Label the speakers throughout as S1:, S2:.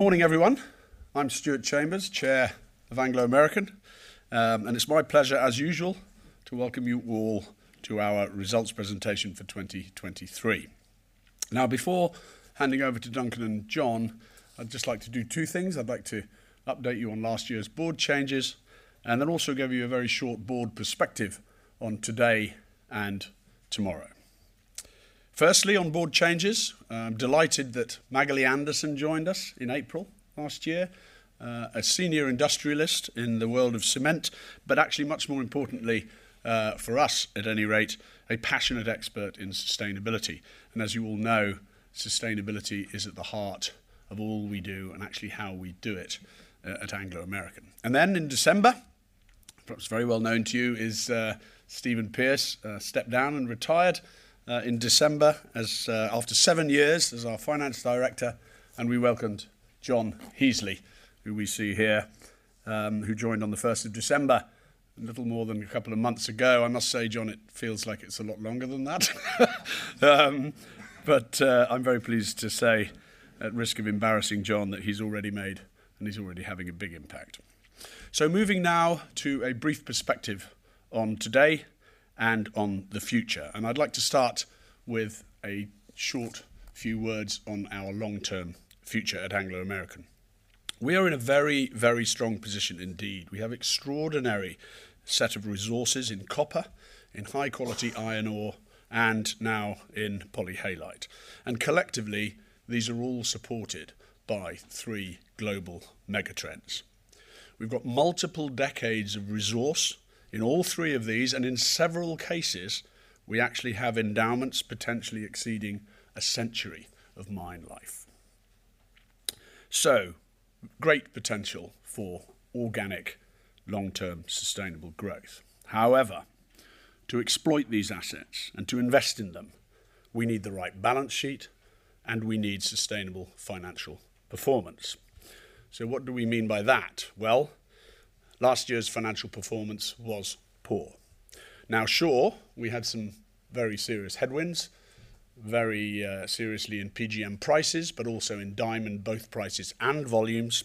S1: Morning, everyone. I'm Stuart Chambers, Chair of Anglo American, and it's my pleasure, as usual, to welcome you all to our results presentation for 2023. Now, before handing over to Duncan and John, I'd just like to do two things: I'd like to update you on last year's board changes, and then also give you a very short board perspective on today and tomorrow. Firstly, on board changes, I'm delighted that Magali Anderson joined us in April last year, a senior industrialist in the world of cement, but actually, much more importantly for us at any rate, a passionate expert in sustainability. As you all know, sustainability is at the heart of all we do and actually how we do it at Anglo American. Then in December, perhaps very well known to you, is Stephen Pearce, stepped down and retired in December after seven years as our Finance Director. We welcomed John Heasley, who we see here, who joined on the first of December, a little more than a couple of months ago. I must say, John, it feels like it's a lot longer than that. But I'm very pleased to say, at risk of embarrassing John, that he's already made and he's already having a big impact. Moving now to a brief perspective on today and on the future. I'd like to start with a short few words on our long-term future at Anglo American. We are in a very, very strong position, indeed. We have an extraordinary set of resources in copper, in high-quality iron ore, and now in polyhalite. Collectively, these are all supported by three global megatrends. We've got multiple decades of resource in all three of these, and in several cases, we actually have endowments potentially exceeding a century of mine life. So great potential for organic, long-term, sustainable growth. However, to exploit these assets and to invest in them, we need the right balance sheet, and we need sustainable financial performance. So what do we mean by that? Well, last year's financial performance was poor. Now, sure, we had some very serious headwinds, very seriously in PGM prices, but also in diamond both prices and volumes.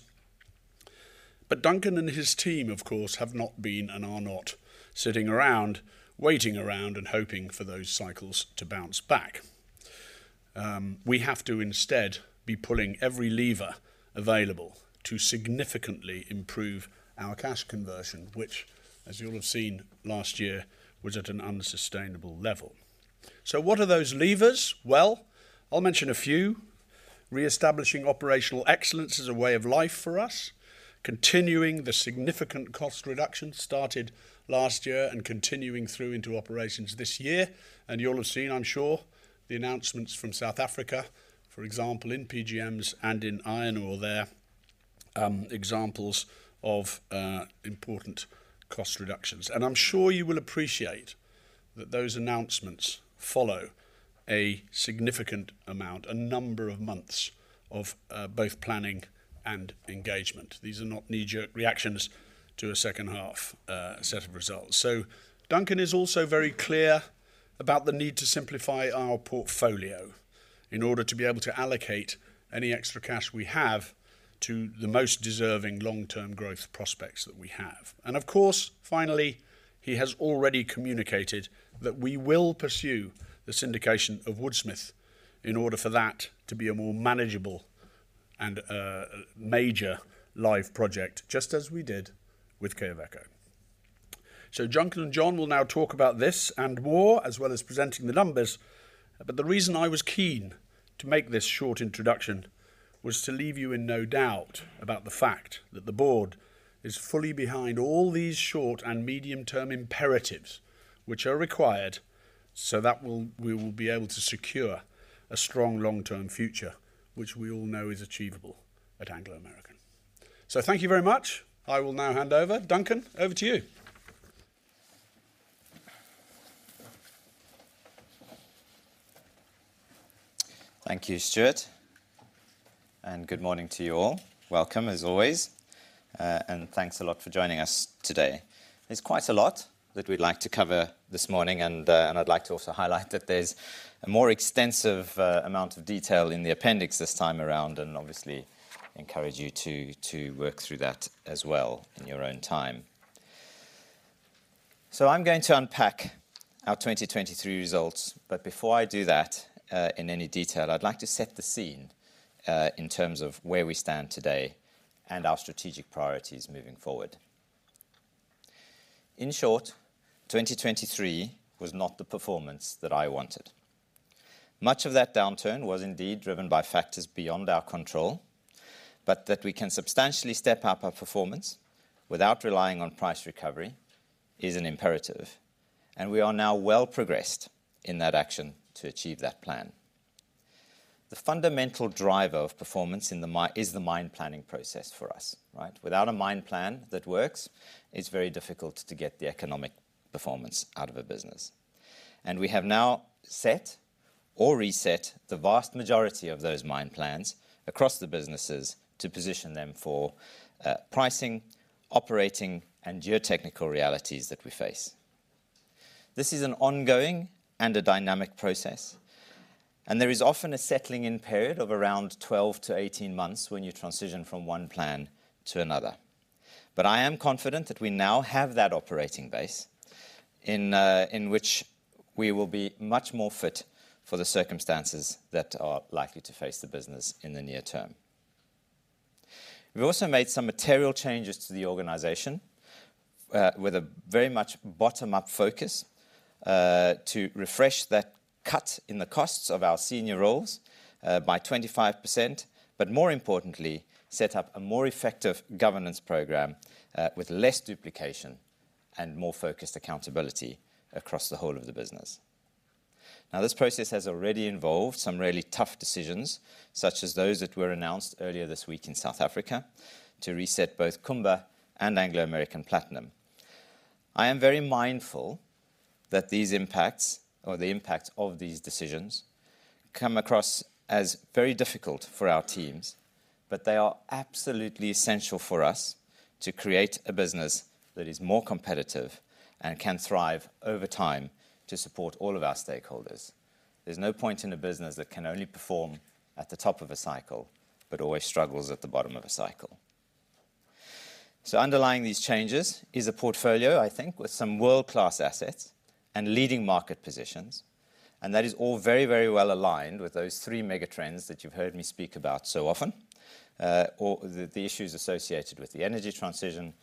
S1: But Duncan and his team, of course, have not been and are not sitting around waiting around and hoping for those cycles to bounce back. We have to instead be pulling every lever available to significantly improve our cash conversion, which, as you all have seen last year, was at an unsustainable level. So what are those levers? Well, I'll mention a few: reestablishing operational excellence as a way of life for us, continuing the significant cost reductions started last year and continuing through into operations this year. You all have seen, I'm sure, the announcements from South Africa, for example, in PGMs and in iron ore there, examples of important cost reductions. I'm sure you will appreciate that those announcements follow a significant amount, a number of months, of both planning and engagement. These are not knee-jerk reactions to a second-half set of results. So Duncan is also very clear about the need to simplify our portfolio in order to be able to allocate any extra cash we have to the most deserving long-term growth prospects that we have. And of course, finally, he has already communicated that we will pursue the syndication of Woodsmith in order for that to be a more manageable and major live project, just as we did with Quellaveco. So Duncan and John will now talk about this and more, as well as presenting the numbers. But the reason I was keen to make this short introduction was to leave you in no doubt about the fact that the board is fully behind all these short and medium-term imperatives which are required so that we will be able to secure a strong long-term future, which we all know is achievable at Anglo American. So thank you very much. I will now hand over. Duncan, over to you.
S2: Thank you, Stuart. Good morning to you all. Welcome, as always. Thanks a lot for joining us today. There's quite a lot that we'd like to cover this morning, and I'd like to also highlight that there's a more extensive amount of detail in the appendix this time around and obviously encourage you to work through that as well in your own time. I'm going to unpack our 2023 results. Before I do that in any detail, I'd like to set the scene in terms of where we stand today and our strategic priorities moving forward. In short, 2023 was not the performance that I wanted. Much of that downturn was indeed driven by factors beyond our control. That we can substantially step up our performance without relying on price recovery is an imperative. We are now well progressed in that action to achieve that plan. The fundamental driver of performance is the mine planning process for us. Without a mine plan that works, it's very difficult to get the economic performance out of a business. We have now set or reset the vast majority of those mine plans across the businesses to position them for pricing, operating, and geotechnical realities that we face. This is an ongoing and a dynamic process. There is often a settling-in period of around 12-18 months when you transition from one plan to another. I am confident that we now have that operating base in which we will be much more fit for the circumstances that are likely to face the business in the near term. We've also made some material changes to the organization with a very much bottom-up focus to refresh that cut in the costs of our senior roles by 25%, but more importantly, set up a more effective governance program with less duplication and more focused accountability across the whole of the business. Now, this process has already involved some really tough decisions, such as those that were announced earlier this week in South Africa to reset both Kumba and Anglo American Platinum. I am very mindful that these impacts or the impacts of these decisions come across as very difficult for our teams, but they are absolutely essential for us to create a business that is more competitive and can thrive over time to support all of our stakeholders. There's no point in a business that can only perform at the top of a cycle but always struggles at the bottom of a cycle. So underlying these changes is a portfolio, I think, with some world-class assets and leading market positions. And that is all very, very well aligned with those three megatrends that you've heard me speak about so often, or the issues associated with the energy transition,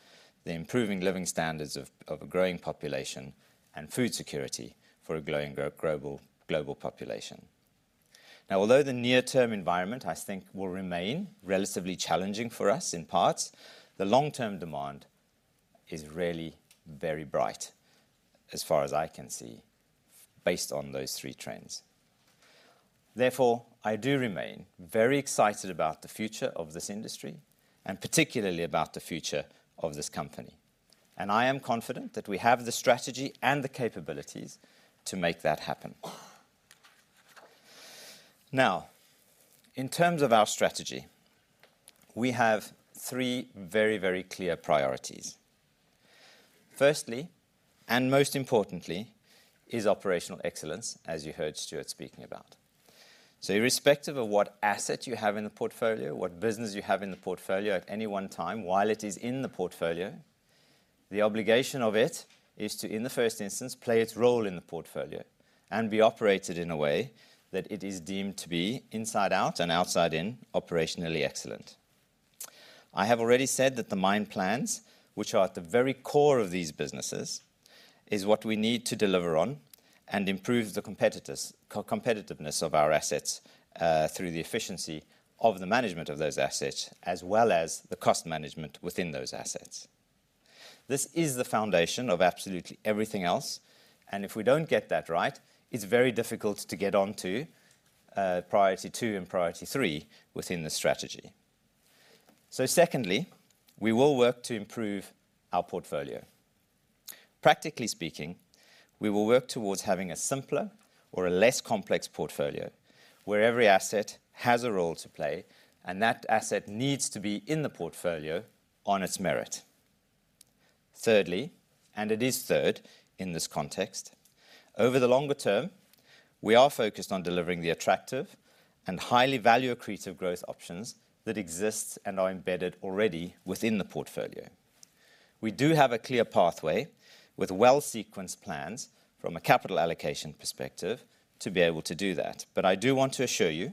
S2: the improving living standards of a growing population, and food security for a growing global population. Now, although the near-term environment, I think, will remain relatively challenging for us in parts, the long-term demand is really very bright, as far as I can see, based on those three trends. Therefore, I do remain very excited about the future of this industry and particularly about the future of this company. I am confident that we have the strategy and the capabilities to make that happen. Now, in terms of our strategy, we have three very, very clear priorities. Firstly, and most importantly, is operational excellence, as you heard Stuart speaking about. So irrespective of what asset you have in the portfolio, what business you have in the portfolio at any one time while it is in the portfolio, the obligation of it is to, in the first instance, play its role in the portfolio and be operated in a way that it is deemed to be inside out and outside in operationally excellent. I have already said that the mine plans, which are at the very core of these businesses, are what we need to deliver on and improve the competitiveness of our assets through the efficiency of the management of those assets, as well as the cost management within those assets. This is the foundation of absolutely everything else. If we don't get that right, it's very difficult to get on to priority two and priority three within the strategy. Secondly, we will work to improve our portfolio. Practically speaking, we will work towards having a simpler or a less complex portfolio where every asset has a role to play, and that asset needs to be in the portfolio on its merit. Thirdly, and it is third in this context, over the longer term, we are focused on delivering the attractive and highly value-creative growth options that exist and are embedded already within the portfolio. We do have a clear pathway with well-sequenced plans from a capital allocation perspective to be able to do that. But I do want to assure you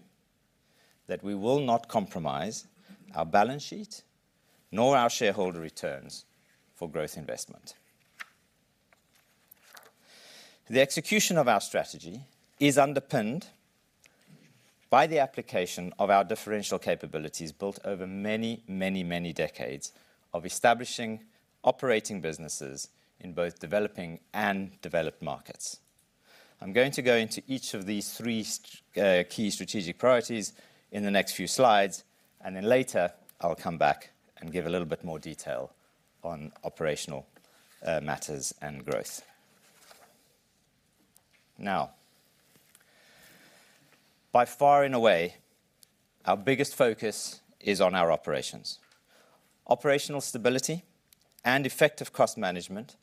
S2: that we will not compromise our balance sheet nor our shareholder returns for growth investment. The execution of our strategy is underpinned by the application of our differential capabilities built over many, many, many decades of establishing operating businesses in both developing and developed markets. I'm going to go into each of these three key strategic priorities in the next few slides. Then later, I'll come back and give a little bit more detail on operational matters and growth. Now, by far and away, our biggest focus is on our operations. Operational stability and effective cost management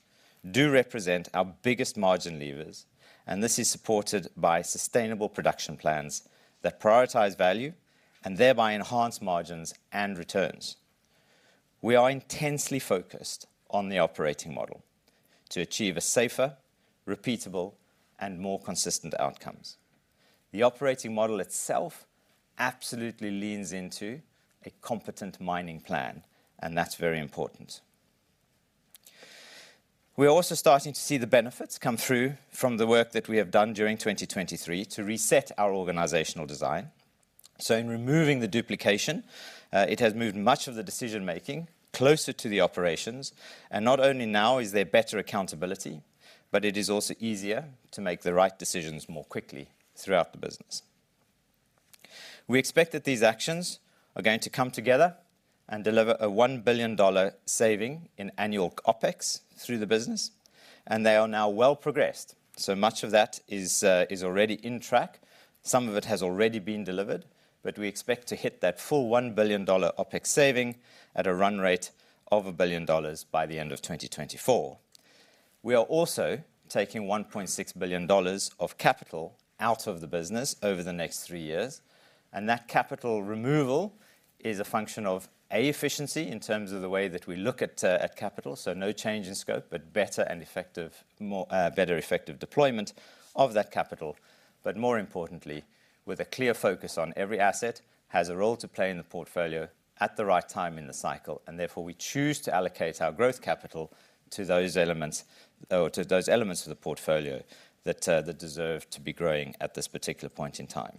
S2: do represent our biggest margin levers. This is supported by sustainable production plans that prioritize value and thereby enhance margins and returns. We are intensely focused on the operating model to achieve safer, repeatable, and more consistent outcomes. The operating model itself absolutely leans into a competent mining plan. That's very important. We are also starting to see the benefits come through from the work that we have done during 2023 to reset our organizational design. In removing the duplication, it has moved much of the decision-making closer to the operations. Not only now is there better accountability, but it is also easier to make the right decisions more quickly throughout the business. We expect that these actions are going to come together and deliver a $1 billion saving in annual OPEX through the business. They are now well progressed. So much of that is already on track. Some of it has already been delivered. We expect to hit that full $1 billion OPEX saving at a run rate of $1 billion by the end of 2024. We are also taking $1.6 billion of capital out of the business over the next three years. That capital removal is a function of efficiency in terms of the way that we look at capital, so no change in scope, but better and effective deployment of that capital. More importantly, with a clear focus on every asset has a role to play in the portfolio at the right time in the cycle. Therefore, we choose to allocate our growth capital to those elements of the portfolio that deserve to be growing at this particular point in time.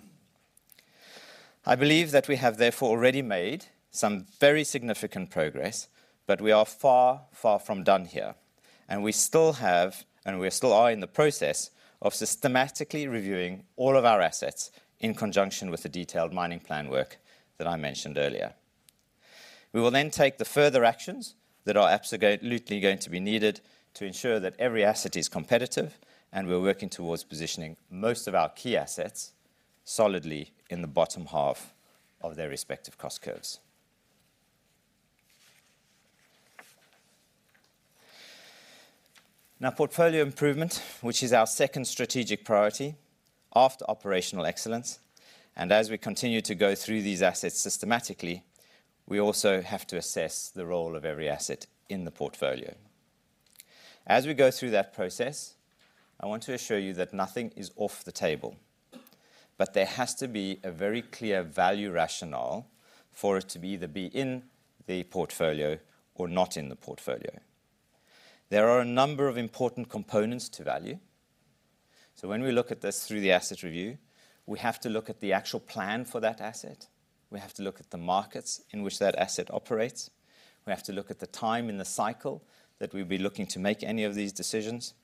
S2: I believe that we have, therefore, already made some very significant progress. But we are far, far from done here. We still have and we still are in the process of systematically reviewing all of our assets in conjunction with the detailed mining plan work that I mentioned earlier. We will then take the further actions that are absolutely going to be needed to ensure that every asset is competitive. We're working towards positioning most of our key assets solidly in the bottom half of their respective cost curves. Now, portfolio improvement, which is our second strategic priority after operational excellence. As we continue to go through these assets systematically, we also have to assess the role of every asset in the portfolio. As we go through that process, I want to assure you that nothing is off the table. There has to be a very clear value rationale for it to either be in the portfolio or not in the portfolio. There are a number of important components to value. When we look at this through the asset review, we have to look at the actual plan for that asset. We have to look at the markets in which that asset operates. We have to look at the time in the cycle that we'll be looking to make any of these decisions.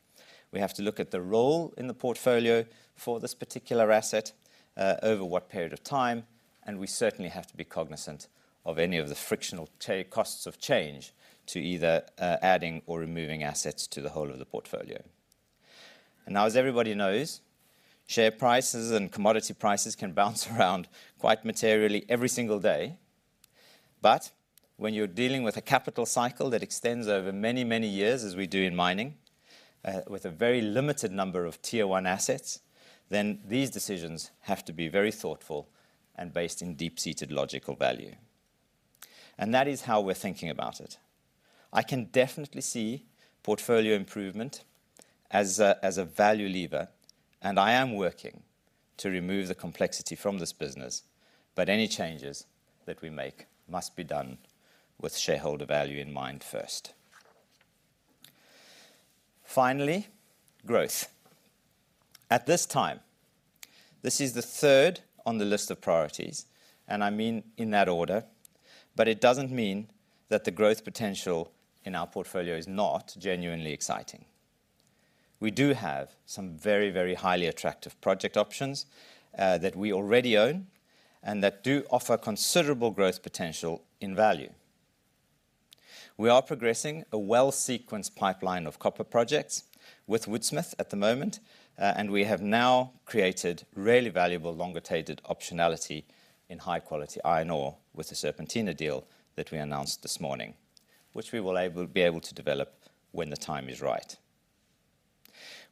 S2: We have to look at the role in the portfolio for this particular asset over what period of time. We certainly have to be cognizant of any of the frictional costs of change to either adding or removing assets to the whole of the portfolio. Now, as everybody knows, share prices and commodity prices can bounce around quite materially every single day. But when you're dealing with a capital cycle that extends over many, many years, as we do in mining, with a very limited number of Tier 1 assets, then these decisions have to be very thoughtful and based in deep-seated logical value. And that is how we're thinking about it. I can definitely see portfolio improvement as a value lever. And I am working to remove the complexity from this business. But any changes that we make must be done with shareholder value in mind first. Finally, growth. At this time, this is the third on the list of priorities. And I mean in that order. But it doesn't mean that the growth potential in our portfolio is not genuinely exciting. We do have some very, very highly attractive project options that we already own and that do offer considerable growth potential in value. We are progressing a well-sequenced pipeline of copper projects with Woodsmith at the moment. And we have now created really valuable longer-dated optionality in high-quality iron ore with a Serpentina deal that we announced this morning, which we will be able to develop when the time is right.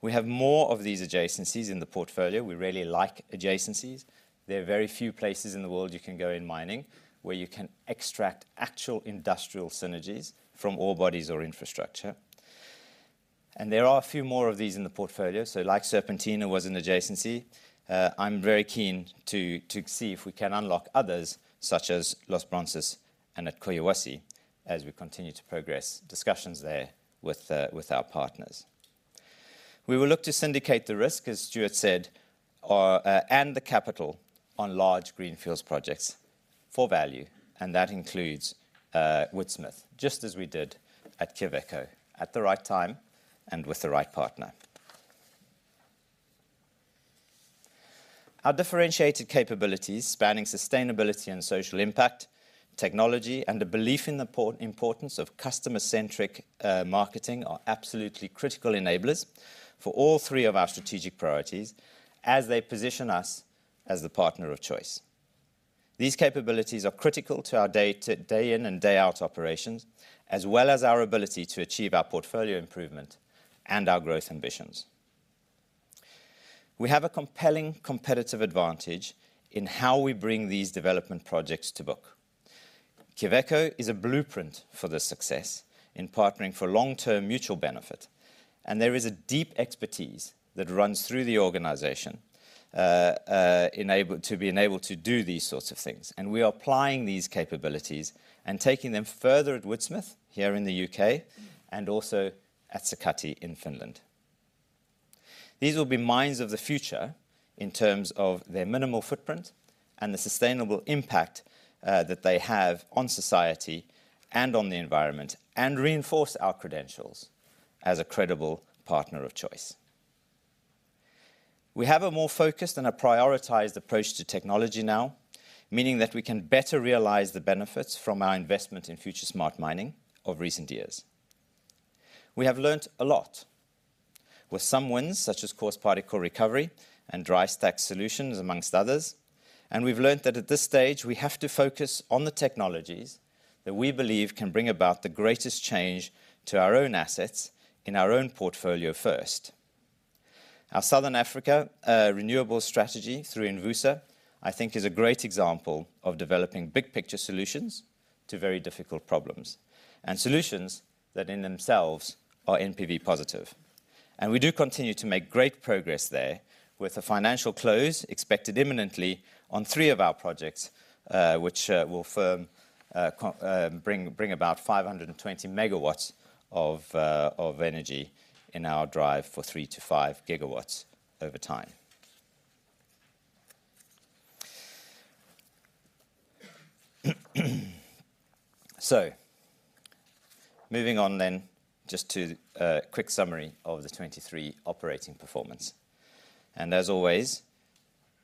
S2: We have more of these adjacencies in the portfolio. We really like adjacencies. There are very few places in the world you can go in mining where you can extract actual industrial synergies from ore bodies or infrastructure. And there are a few more of these in the portfolio. So like Serpentina was an adjacency, I'm very keen to see if we can unlock others, such as Los Bronces and at Collahuasi, as we continue to progress discussions there with our partners. We will look to syndicate the risk, as Stuart said, and the capital on large greenfields projects for value. And that includes Woodsmith, just as we did at Quellaveco at the right time and with the right partner. Our differentiated capabilities, spanning sustainability and social impact, technology, and the belief in the importance of customer-centric marketing are absolutely critical enablers for all three of our strategic priorities as they position us as the partner of choice. These capabilities are critical to our day-in and day-out operations, as well as our ability to achieve our portfolio improvement and our growth ambitions. We have a compelling competitive advantage in how we bring these development projects to book. Quellaveco is a blueprint for the success in partnering for long-term mutual benefit. There is a deep expertise that runs through the organization to be enabled to do these sorts of things. We are applying these capabilities and taking them further at Woodsmith here in the UK and also at Sakatti in Finland. These will be mines of the future in terms of their minimal footprint and the sustainable impact that they have on society and on the environment and reinforce our credentials as a credible partner of choice. We have a more focused and a prioritized approach to technology now, meaning that we can better realize the benefits from our investment in FutureSmart Mining of recent years. We have learned a lot with some wins, such as Coarse Particle Recovery and dry stack solutions, among others. We've learned that at this stage, we have to focus on the technologies that we believe can bring about the greatest change to our own assets in our own portfolio first. Our Southern Africa renewables strategy through Envusa, I think, is a great example of developing big picture solutions to very difficult problems and solutions that in themselves are NPV positive. We do continue to make great progress there with a financial close expected imminently on three of our projects, which will bring about 520 MW of energy in our drive for 3-5 GW over time. Moving on then just to a quick summary of the 2023 operating performance. As always,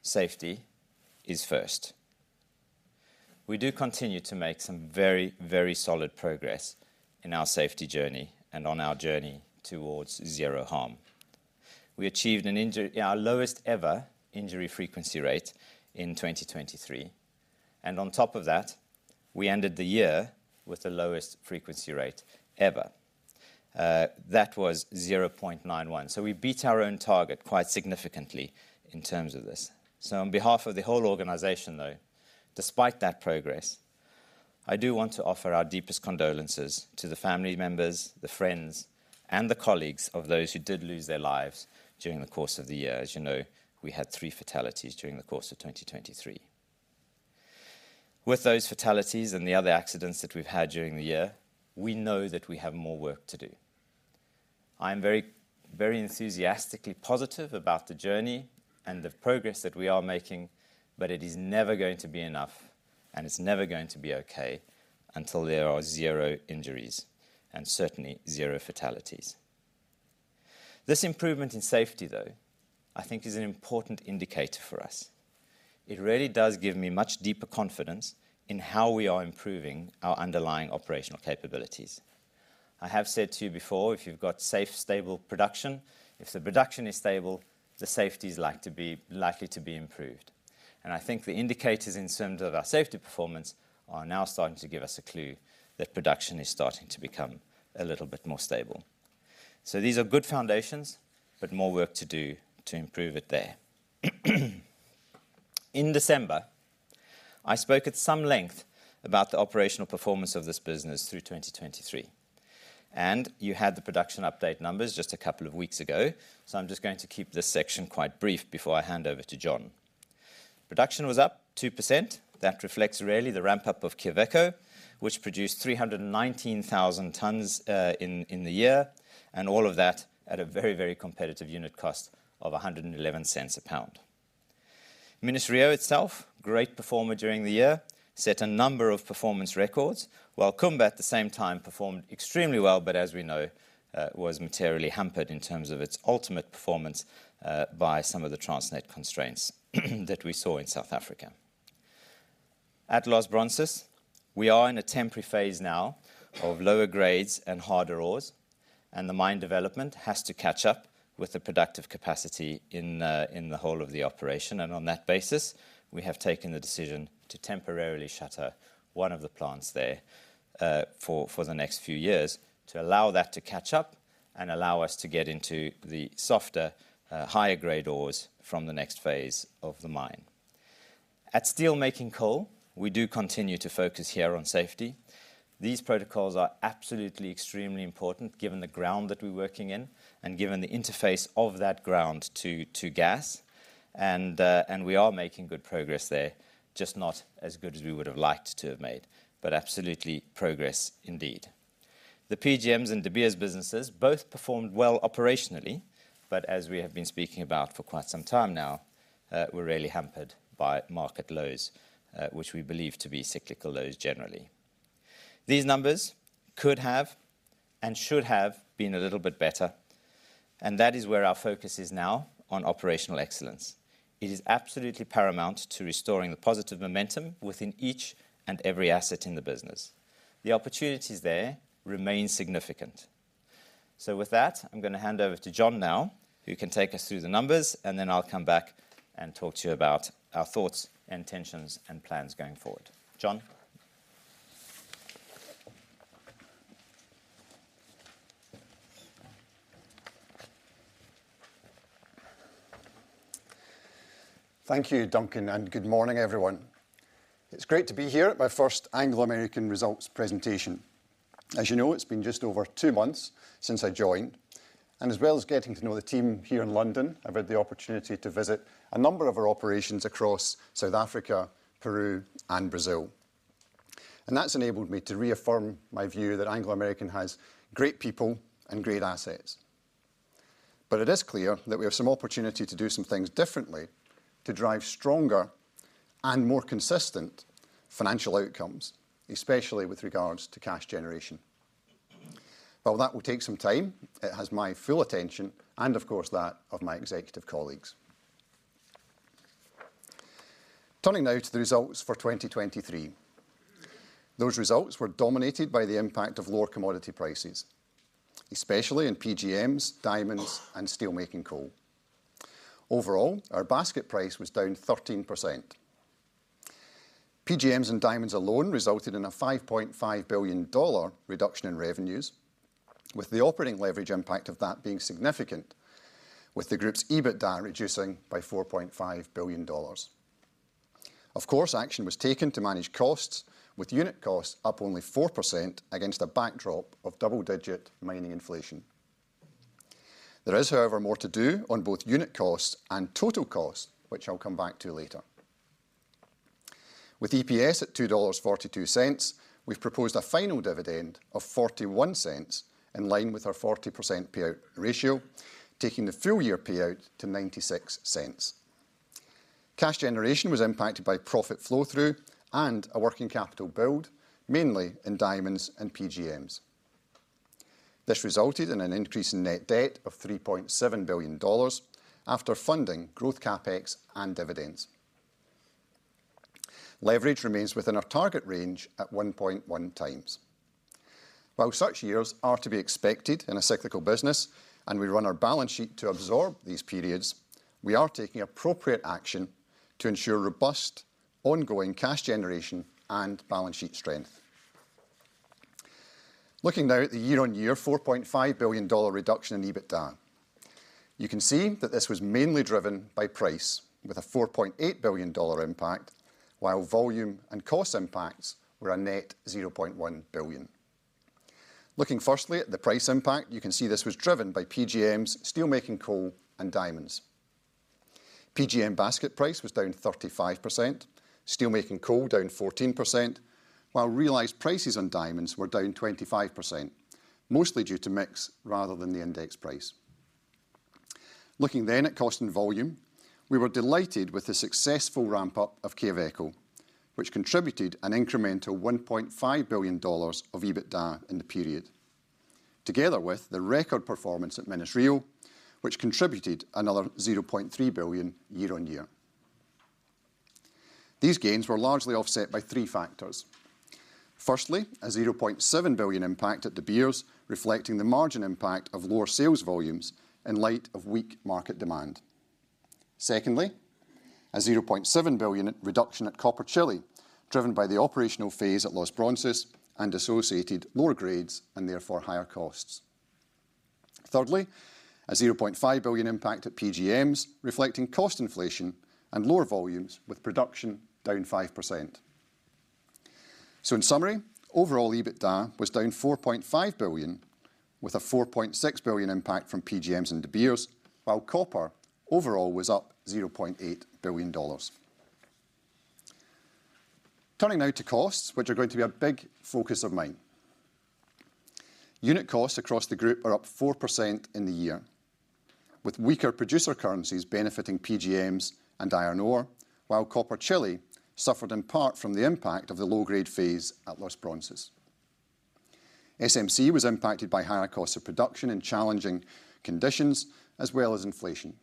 S2: safety is first. We do continue to make some very, very solid progress in our safety journey and on our journey towards zero harm. We achieved our lowest-ever injury frequency rate in 2023. On top of that, we ended the year with the lowest frequency rate ever. That was 0.91. So we beat our own target quite significantly in terms of this. So on behalf of the whole organization, though, despite that progress, I do want to offer our deepest condolences to the family members, the friends, and the colleagues of those who did lose their lives during the course of the year. As you know, we had three fatalities during the course of 2023. With those fatalities and the other accidents that we've had during the year, we know that we have more work to do. I am very, very enthusiastically positive about the journey and the progress that we are making. But it is never going to be enough. And it's never going to be OK until there are zero injuries and certainly zero fatalities. This improvement in safety, though, I think, is an important indicator for us. It really does give me much deeper confidence in how we are improving our underlying operational capabilities. I have said to you before, if you've got safe, stable production, if the production is stable, the safety is likely to be improved. And I think the indicators in terms of our safety performance are now starting to give us a clue that production is starting to become a little bit more stable. So these are good foundations, but more work to do to improve it there. In December, I spoke at some length about the operational performance of this business through 2023. And you had the production update numbers just a couple of weeks ago. So I'm just going to keep this section quite brief before I hand over to John. Production was up 2%. That reflects really the ramp-up of Quellaveco, which produced 319,000 tons in the year, and all of that at a very, very competitive unit cost of $0.111 a pound. Minas-Rio itself, great performer during the year, set a number of performance records, while Kumba at the same time performed extremely well, but as we know, was materially hampered in terms of its ultimate performance by some of the Transnet constraints that we saw in South Africa. At Los Bronces, we are in a temporary phase now of lower grades and harder ores. The mine development has to catch up with the productive capacity in the whole of the operation. And on that basis, we have taken the decision to temporarily shutter one of the plants there for the next few years to allow that to catch up and allow us to get into the softer, higher-grade ores from the next phase of the mine. At steelmaking coal, we do continue to focus here on safety. These protocols are absolutely extremely important given the ground that we're working in and given the interface of that ground to gas. And we are making good progress there, just not as good as we would have liked to have made, but absolutely progress indeed. The PGMs and De Beers businesses both performed well operationally. But as we have been speaking about for quite some time now, we're really hampered by market lows, which we believe to be cyclical lows generally. These numbers could have and should have been a little bit better. And that is where our focus is now on operational excellence. It is absolutely paramount to restoring the positive momentum within each and every asset in the business. The opportunities there remain significant. So with that, I'm going to hand over to John now, who can take us through the numbers. And then I'll come back and talk to you about our thoughts and intentions and plans going forward. John.
S3: Thank you, Duncan. And good morning, everyone. It's great to be here at my first Anglo American results presentation. As you know, it's been just over two months since I joined. And as well as getting to know the team here in London, I've had the opportunity to visit a number of our operations across South Africa, Peru, and Brazil. And that's enabled me to reaffirm my view that Anglo American has great people and great assets. But it is clear that we have some opportunity to do some things differently to drive stronger and more consistent financial outcomes, especially with regards to cash generation. Well, that will take some time. It has my full attention and, of course, that of my executive colleagues. Turning now to the results for 2023. Those results were dominated by the impact of lower commodity prices, especially in PGMs, diamonds, and steelmaking coal. Overall, our basket price was down 13%. PGMs and diamonds alone resulted in a $5.5 billion reduction in revenues, with the operating leverage impact of that being significant, with the group's EBITDA reducing by $4.5 billion. Of course, action was taken to manage costs, with unit costs up only 4% against a backdrop of double-digit mining inflation. There is, however, more to do on both unit costs and total costs, which I'll come back to later. With EPS at $2.42, we've proposed a final dividend of $0.41 in line with our 40% payout ratio, taking the full-year payout to $0.96. Cash generation was impacted by profit flow-through and a working capital build, mainly in diamonds and PGMs. This resulted in an increase in net debt of $3.7 billion after funding growth CapEx and dividends. Leverage remains within our target range at 1.1 times. While such years are to be expected in a cyclical business and we run our balance sheet to absorb these periods, we are taking appropriate action to ensure robust ongoing cash generation and balance sheet strength. Looking now at the YoY $4.5 billion reduction in EBITDA, you can see that this was mainly driven by price, with a $4.8 billion impact, while volume and cost impacts were a net $0.1 billion. Looking firstly at the price impact, you can see this was driven by PGMs, steelmaking coal, and diamonds. PGM basket price was down 35%, steelmaking coal down 14%, while realized prices on diamonds were down 25%, mostly due to mix rather than the index price. Looking then at cost and volume, we were delighted with the successful ramp-up of Quellaveco, which contributed an incremental $1.5 billion of EBITDA in the period, together with the record performance at Minas-Rio, which contributed another $0.3 billion YoY. These gains were largely offset by three factors. Firstly, a $0.7 billion impact at De Beers, reflecting the margin impact of lower sales volumes in light of weak market demand. Secondly, a $0.7 billion reduction at Copper Chile, driven by the operational phase at Los Bronces and associated lower grades and therefore higher costs. Thirdly, a $0.5 billion impact at PGMs, reflecting cost inflation and lower volumes, with production down 5%. So in summary, overall EBITDA was down $4.5 billion, with a $4.6 billion impact from PGMs and De Beers, while copper overall was up $0.8 billion. Turning now to costs, which are going to be a big focus of mine. Unit costs across the group are up 4% in the year, with weaker producer currencies benefiting PGMs and iron ore, while copper Chile suffered in part from the impact of the low-grade phase at Los Bronces. SMC was impacted by higher costs of production and challenging conditions, as well as inflation.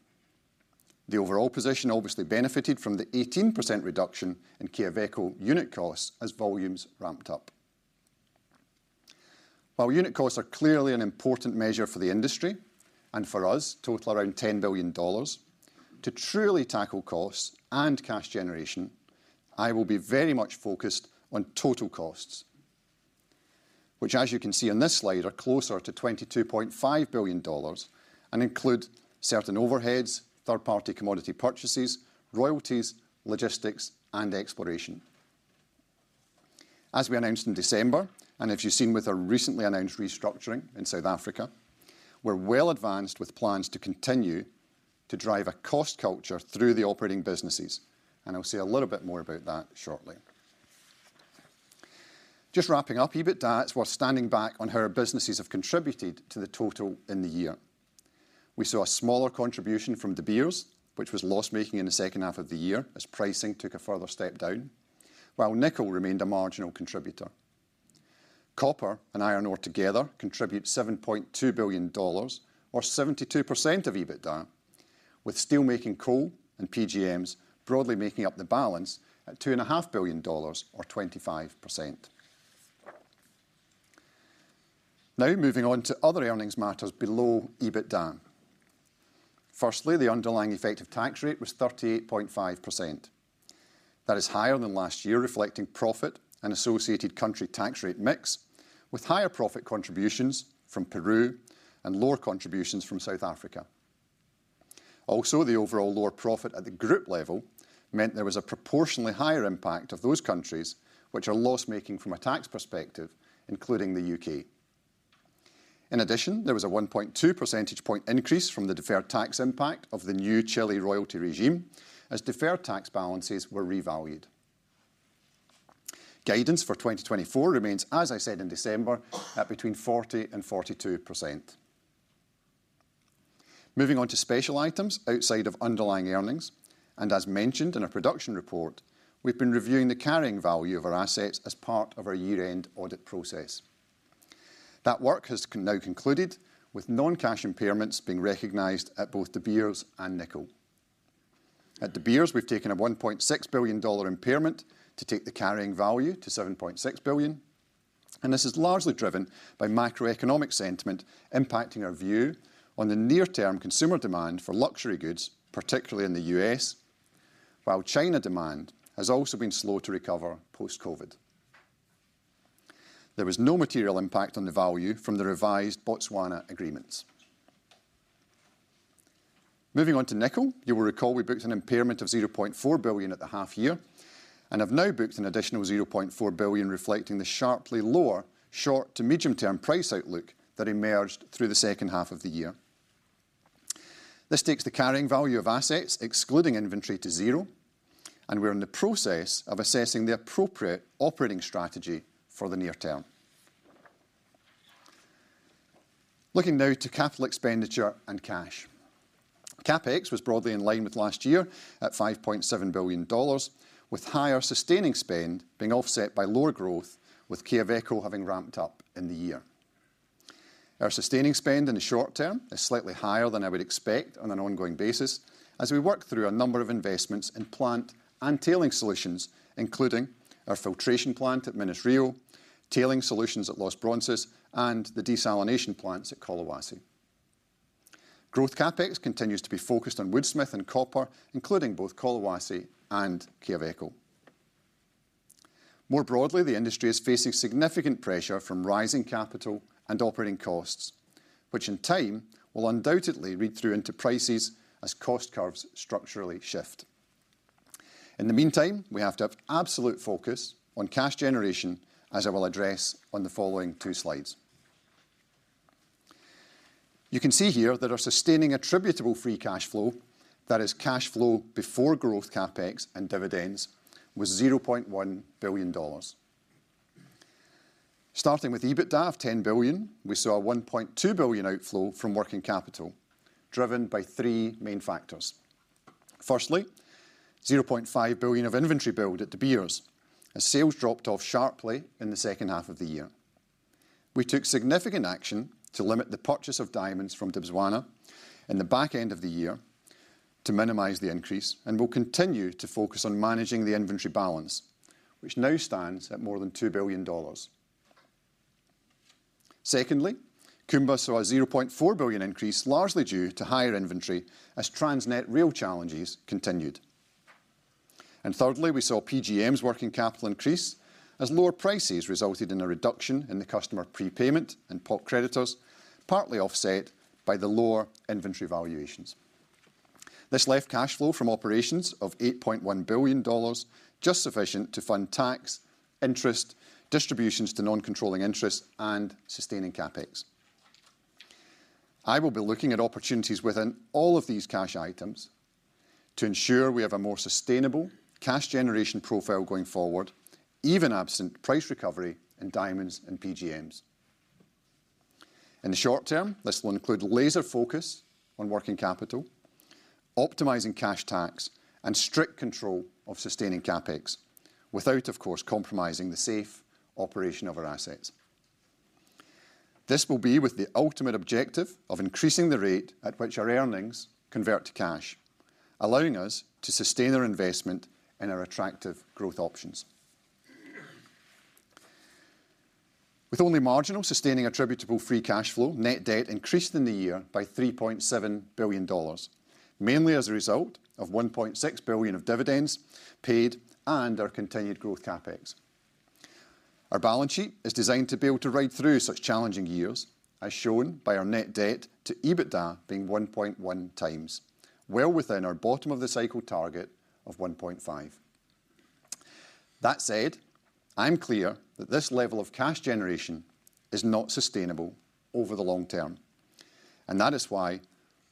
S3: The overall position obviously benefited from the 18% reduction in Quellaveco unit costs as volumes ramped up. While unit costs are clearly an important measure for the industry and for us, total around $10 billion, to truly tackle costs and cash generation, I will be very much focused on total costs, which, as you can see on this slide, are closer to $22.5 billion and include certain overheads, third-party commodity purchases, royalties, logistics, and exploration. As we announced in December, and if you've seen with our recently announced restructuring in South Africa, we're well advanced with plans to continue to drive a cost culture through the operating businesses. And I'll say a little bit more about that shortly. Just wrapping up EBITDA, it's worth standing back on how our businesses have contributed to the total in the year. We saw a smaller contribution from De Beers, which was loss-making in the second half of the year, as pricing took a further step down, while nickel remained a marginal contributor. Copper and iron ore together contribute $7.2 billion, or 72% of EBITDA, with steelmaking coal and PGMs broadly making up the balance at $2.5 billion, or 25%. Now moving on to other earnings matters below EBITDA. Firstly, the underlying effective tax rate was 38.5%. That is higher than last year, reflecting profit and associated country tax rate mix, with higher profit contributions from Peru and lower contributions from South Africa. Also, the overall lower profit at the group level meant there was a proportionally higher impact of those countries, which are loss-making from a tax perspective, including the U.K. In addition, there was a 1.2 percentage point increase from the deferred tax impact of the new Chile royalty regime, as deferred tax balances were revalued. Guidance for 2024 remains, as I said in December, at between 40% and 42%. Moving on to special items outside of underlying earnings. As mentioned in our production report, we've been reviewing the carrying value of our assets as part of our year-end audit process. That work has now concluded, with non-cash impairments being recognized at both De Beers and nickel. At De Beers, we've taken a $1.6 billion impairment to take the carrying value to $7.6 billion. And this is largely driven by macroeconomic sentiment impacting our view on the near-term consumer demand for luxury goods, particularly in the U.S., while China demand has also been slow to recover post-COVID. There was no material impact on the value from the revised Botswana agreements. Moving on to nickel, you will recall we booked an impairment of $0.4 billion at the half-year and have now booked an additional $0.4 billion, reflecting the sharply lower short- to medium-term price outlook that emerged through the second half of the year. This takes the carrying value of assets, excluding inventory, to zero. We're in the process of assessing the appropriate operating strategy for the near term. Looking now to capital expenditure and cash. CapEx was broadly in line with last year at $5.7 billion, with higher sustaining spend being offset by lower growth, with Quellaveco having ramped up in the year. Our sustaining spend in the short term is slightly higher than I would expect on an ongoing basis, as we work through a number of investments in plant and tailings solutions, including our filtration plant at Minas-Rio, tailings solutions at Los Bronces, and the desalination plants at Collahuasi. Growth CapEx continues to be focused on Woodsmith and copper, including both Collahuasi and Quellaveco. More broadly, the industry is facing significant pressure from rising capital and operating costs, which in time will undoubtedly read through into prices as cost curves structurally shift. In the meantime, we have to have absolute focus on cash generation, as I will address on the following two slides. You can see here that our sustaining attributable free cash flow, that is cash flow before growth CapEx and dividends, was $0.1 billion. Starting with EBITDA of $10 billion, we saw a $1.2 billion outflow from working capital, driven by three main factors. Firstly, $0.5 billion of inventory build at De Beers, as sales dropped off sharply in the second half of the year. We took significant action to limit the purchase of diamonds from Botswana in the back end of the year to minimize the increase, and will continue to focus on managing the inventory balance, which now stands at more than $2 billion. Secondly, Kumba saw a $0.4 billion increase, largely due to higher inventory, as Transnet rail challenges continued. And thirdly, we saw PGMs' working capital increase, as lower prices resulted in a reduction in the customer prepayment and other creditors, partly offset by the lower inventory valuations. This left cash flow from operations of $8.1 billion, just sufficient to fund tax, interest, distributions to non-controlling interest, and sustaining CapEx. I will be looking at opportunities within all of these cash items to ensure we have a more sustainable cash generation profile going forward, even absent price recovery in diamonds and PGMs. In the short term, this will include laser focus on working capital, optimizing cash tax, and strict control of sustaining CapEx, without, of course, compromising the safe operation of our assets. This will be with the ultimate objective of increasing the rate at which our earnings convert to cash, allowing us to sustain our investment in our attractive growth options. With only marginal sustaining attributable free cash flow, net debt increased in the year by $3.7 billion, mainly as a result of $1.6 billion of dividends paid and our continued growth CapEx. Our balance sheet is designed to be able to ride through such challenging years, as shown by our net debt to EBITDA being 1.1 times, well within our bottom-of-the-cycle target of 1.5. That said, I'm clear that this level of cash generation is not sustainable over the long term. And that is why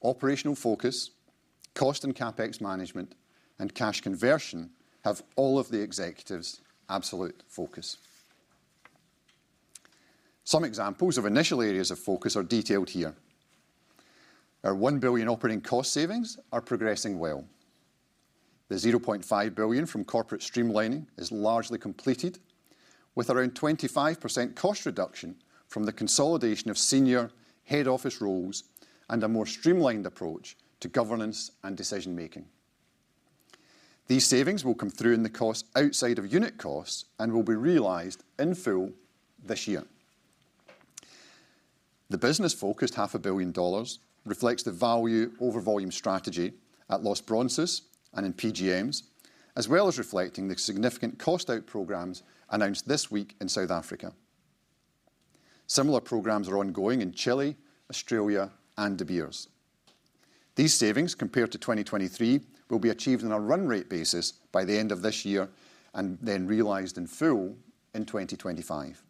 S3: operational focus, cost and CapEx management, and cash conversion have all of the executives' absolute focus. Some examples of initial areas of focus are detailed here. Our $1 billion operating cost savings are progressing well. The $0.5 billion from corporate streamlining is largely completed, with around 25% cost reduction from the consolidation of senior head office roles and a more streamlined approach to governance and decision-making. These savings will come through in the costs outside of unit costs and will be realized in full this year. The business-focused $500 million reflects the value over-volume strategy at Los Bronces and in PGMs, as well as reflecting the significant cost-out programs announced this week in South Africa. Similar programs are ongoing in Chile, Australia, and De Beers. These savings, compared to 2023, will be achieved on a run-rate basis by the end of this year and then realized in full in 2025.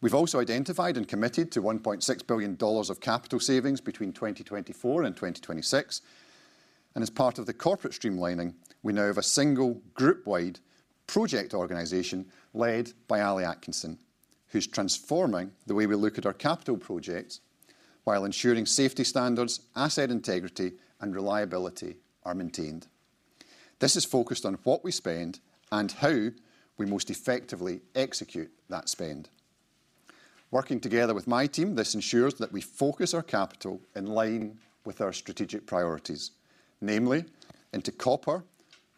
S3: We've also identified and committed to $1.6 billion of capital savings between 2024 and 2026. As part of the corporate streamlining, we now have a single group-wide project organization led by Ali Atkinson, who's transforming the way we look at our capital projects, while ensuring safety standards, asset integrity, and reliability are maintained. This is focused on what we spend and how we most effectively execute that spend. Working together with my team, this ensures that we focus our capital in line with our strategic priorities, namely into copper,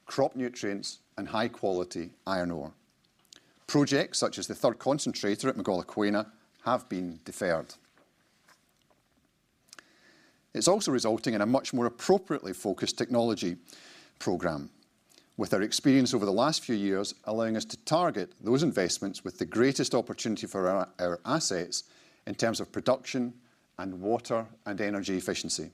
S3: crop nutrients, and high-quality iron ore. Projects such as the third concentrator at Mogalakwena have been deferred. It's also resulting in a much more appropriately focused technology program, with our experience over the last few years allowing us to target those investments with the greatest opportunity for our assets in terms of production and water and energy efficiency.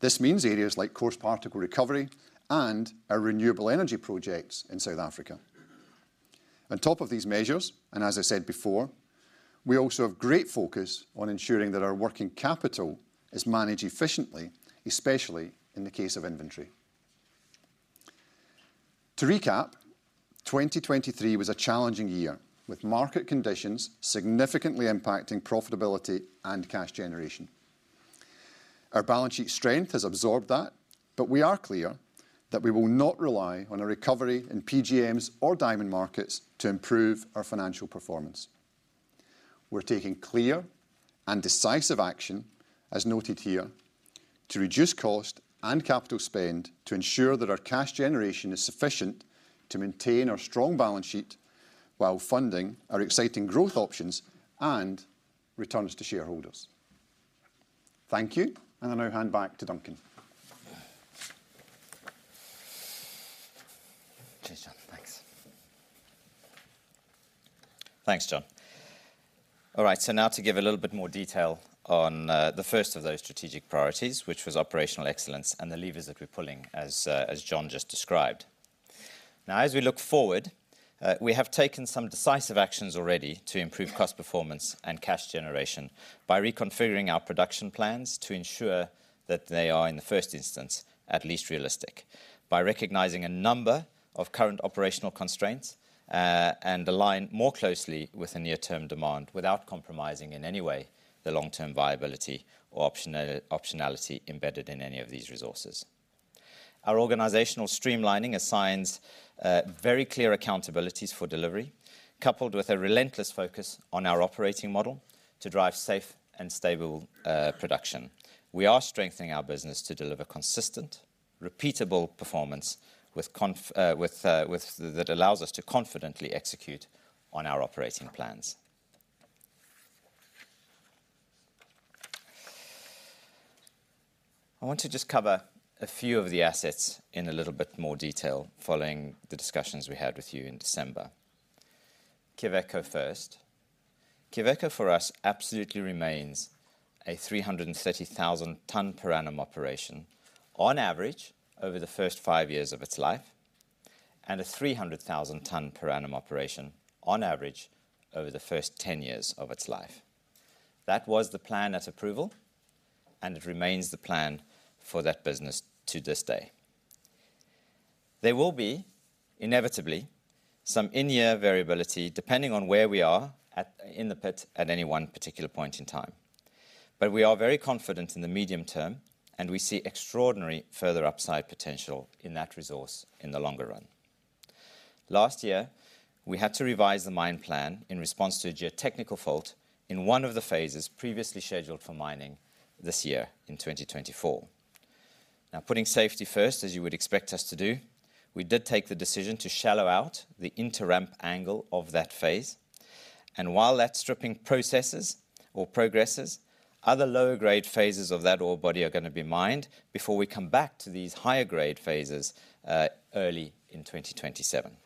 S3: This means areas like Coarse Particle Recovery and our renewable energy projects in South Africa. On top of these measures, and as I said before, we also have great focus on ensuring that our working capital is managed efficiently, especially in the case of inventory. To recap, 2023 was a challenging year, with market conditions significantly impacting profitability and cash generation. Our balance sheet strength has absorbed that, but we are clear that we will not rely on a recovery in PGMs or diamond markets to improve our financial performance. We're taking clear and decisive action, as noted here, to reduce cost and capital spend to ensure that our cash generation is sufficient to maintain our strong balance sheet, while funding our exciting growth options and returns to shareholders. Thank you, and I now hand back to Duncan.
S2: Cheers, John.
S3: Thanks.
S2: Thanks, John. All right, so now to give a little bit more detail on the first of those strategic priorities, which was operational excellence and the levers that we're pulling, as John just described. Now, as we look forward, we have taken some decisive actions already to improve cost performance and cash generation by reconfiguring our production plans to ensure that they are, in the first instance, at least realistic, by recognizing a number of current operational constraints and aligning more closely with the near-term demand, without compromising in any way the long-term viability or optionality embedded in any of these resources. Our organizational streamlining assigns very clear accountabilities for delivery, coupled with a relentless focus on our operating model to drive safe and stable production. We are strengthening our business to deliver consistent, repeatable performance that allows us to confidently execute on our operating plans. I want to just cover a few of the assets in a little bit more detail following the discussions we had with you in December. Quellaveco first. Quellaveco, for us, absolutely remains a 330,000-ton per annum operation, on average, over the first five years of its life, and a 300,000-ton per annum operation, on average, over the first ten years of its life. That was the plan at approval, and it remains the plan for that business to this day. There will be, inevitably, some in-year variability, depending on where we are in the pit at any one particular point in time. But we are very confident in the medium term, and we see extraordinary further upside potential in that resource in the longer run. Last year, we had to revise the mine plan in response to a geotechnical fault in one of the phases previously scheduled for mining this year, in 2024. Now, putting safety first, as you would expect us to do, we did take the decision to shallow out the interramp angle of that phase. And while that stripping processes or progresses, other lower-grade phases of that ore body are going to be mined before we come back to these higher-grade phases early in 2027.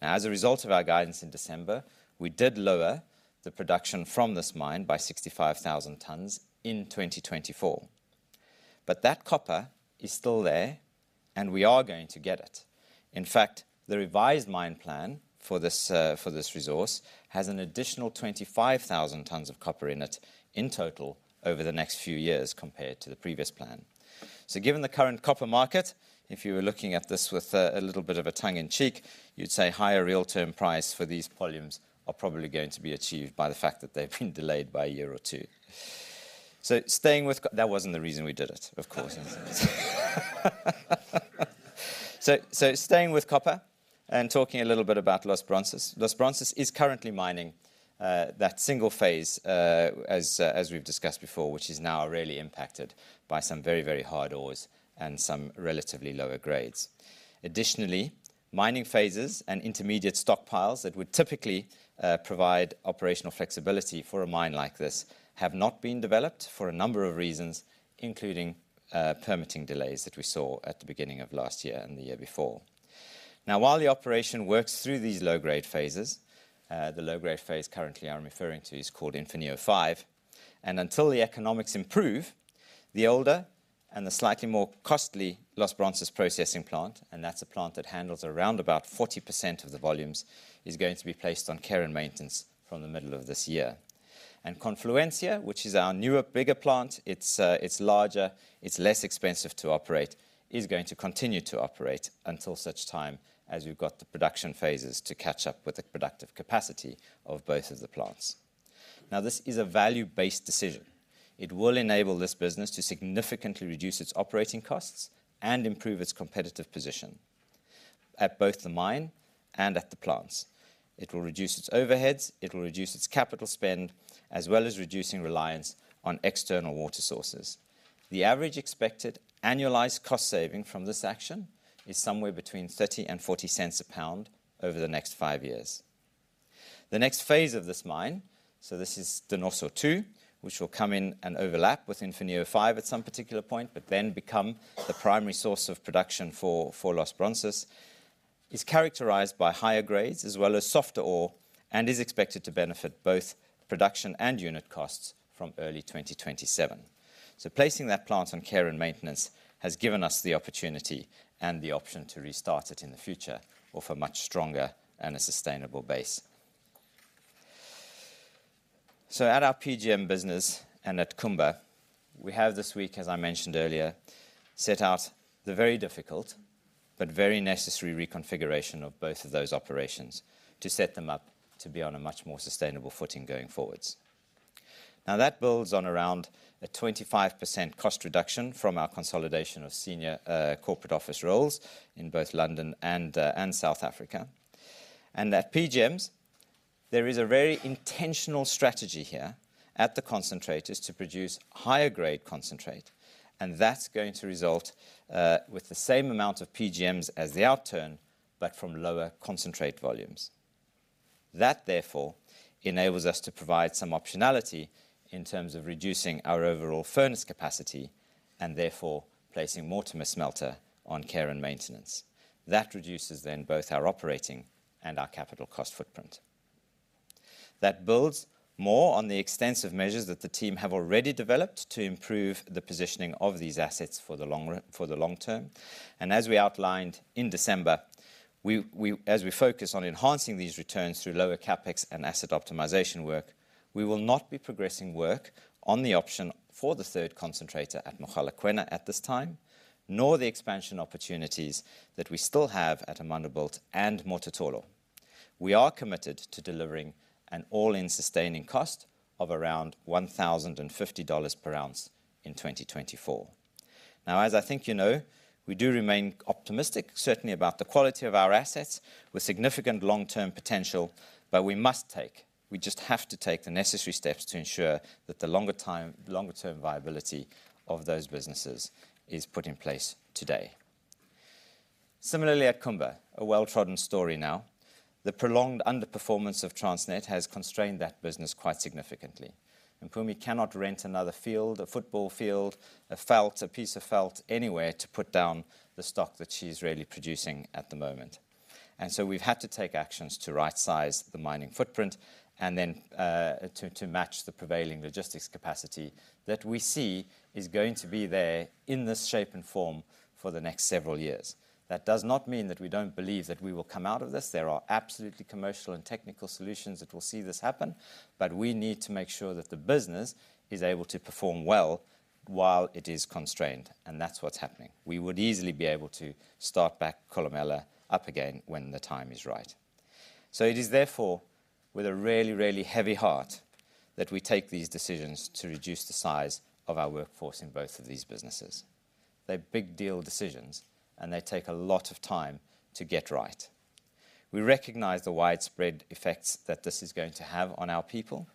S2: Now, as a result of our guidance in December, we did lower the production from this mine by 65,000 tons in 2024. But that copper is still there, and we are going to get it. In fact, the revised mine plan for this resource has an additional 25,000 tons of copper in it in total over the next few years, compared to the previous plan. So, given the current copper market, if you were looking at this with a little bit of a tongue-in-cheek, you'd say higher real-term price for these volumes are probably going to be achieved by the fact that they've been delayed by a year or two. That wasn't the reason we did it, of course. Staying with copper and talking a little bit about Los Bronces. Los Bronces is currently mining that single phase, as we've discussed before, which is now really impacted by some very, very hard ores and some relatively lower grades. Additionally, mining phases and intermediate stockpiles that would typically provide operational flexibility for a mine like this have not been developed for a number of reasons, including permitting delays that we saw at the beginning of last year and the year before. Now, while the operation works through these low-grade phases, the low-grade phase currently I'm referring to is called Infiernillo 5, and until the economics improve, the older and the slightly more costly Los Bronces processing plant, and that's a plant that handles around about 40% of the volumes, is going to be placed on Care and Maintenance from the middle of this year. Confluencia, which is our newer, bigger plant, it's larger, it's less expensive to operate, is going to continue to operate until such time as we've got the production phases to catch up with the productive capacity of both of the plants. Now, this is a value-based decision. It will enable this business to significantly reduce its operating costs and improve its competitive position at both the mine and at the plants. It will reduce its overheads, it will reduce its capital spend, as well as reducing reliance on external water sources. The average expected annualized cost saving from this action is somewhere between $0.30 and $0.40 a pound over the next five years. The next phase of this mine—so this is Donoso 2, which will come in and overlap with Infiernillo 5 at some particular point, but then become the primary source of production for Los Bronces—is characterized by higher grades, as well as softer ore, and is expected to benefit both production and unit costs from early 2027. So, placing that plant on care and maintenance has given us the opportunity and the option to restart it in the future, offer much stronger and a sustainable base. So, at our PGM business and at Kumba, we have this week, as I mentioned earlier, set out the very difficult but very necessary reconfiguration of both of those operations to set them up to be on a much more sustainable footing going forwards. Now, that builds on around a 25% cost reduction from our consolidation of senior corporate office roles in both London and South Africa. And at PGMs, there is a very intentional strategy here at the concentrators to produce higher-grade concentrate, and that's going to result with the same amount of PGMs as the outturn, but from lower concentrate volumes. That, therefore, enables us to provide some optionality in terms of reducing our overall furnace capacity and, therefore, placing Mortimer smelter on care and maintenance. That reduces then both our operating and our capital cost footprint. That builds more on the extensive measures that the team have already developed to improve the positioning of these assets for the long term. As we outlined in December, as we focus on enhancing these returns through lower capex and asset optimization work, we will not be progressing work on the option for the third concentrator at Mogalakwena at this time, nor the expansion opportunities that we still have at Amandelbult and Mototolo. We are committed to delivering an all-in sustaining cost of around $1,050 per ounce in 2024. Now, as I think you know, we do remain optimistic, certainly about the quality of our assets with significant long-term potential, but we must take, we just have to take the necessary steps to ensure that the longer-term viability of those businesses is put in place today. Similarly, at Kumba, a well-trodden story now, the prolonged underperformance of Transnet has constrained that business quite significantly. Mpumi cannot rent another field, a football field, a felt, a piece of felt, anywhere to put down the stock that she's really producing at the moment. And so we've had to take actions to right-size the mining footprint and then to match the prevailing logistics capacity that we see is going to be there in this shape and form for the next several years. That does not mean that we don't believe that we will come out of this. There are absolutely commercial and technical solutions that will see this happen, but we need to make sure that the business is able to perform well while it is constrained, and that's what's happening. We would easily be able to start back Kolomela up again when the time is right. So it is, therefore, with a really, really heavy heart that we take these decisions to reduce the size of our workforce in both of these businesses. They're big deal decisions, and they take a lot of time to get right. We recognize the widespread effects that this is going to have on our people,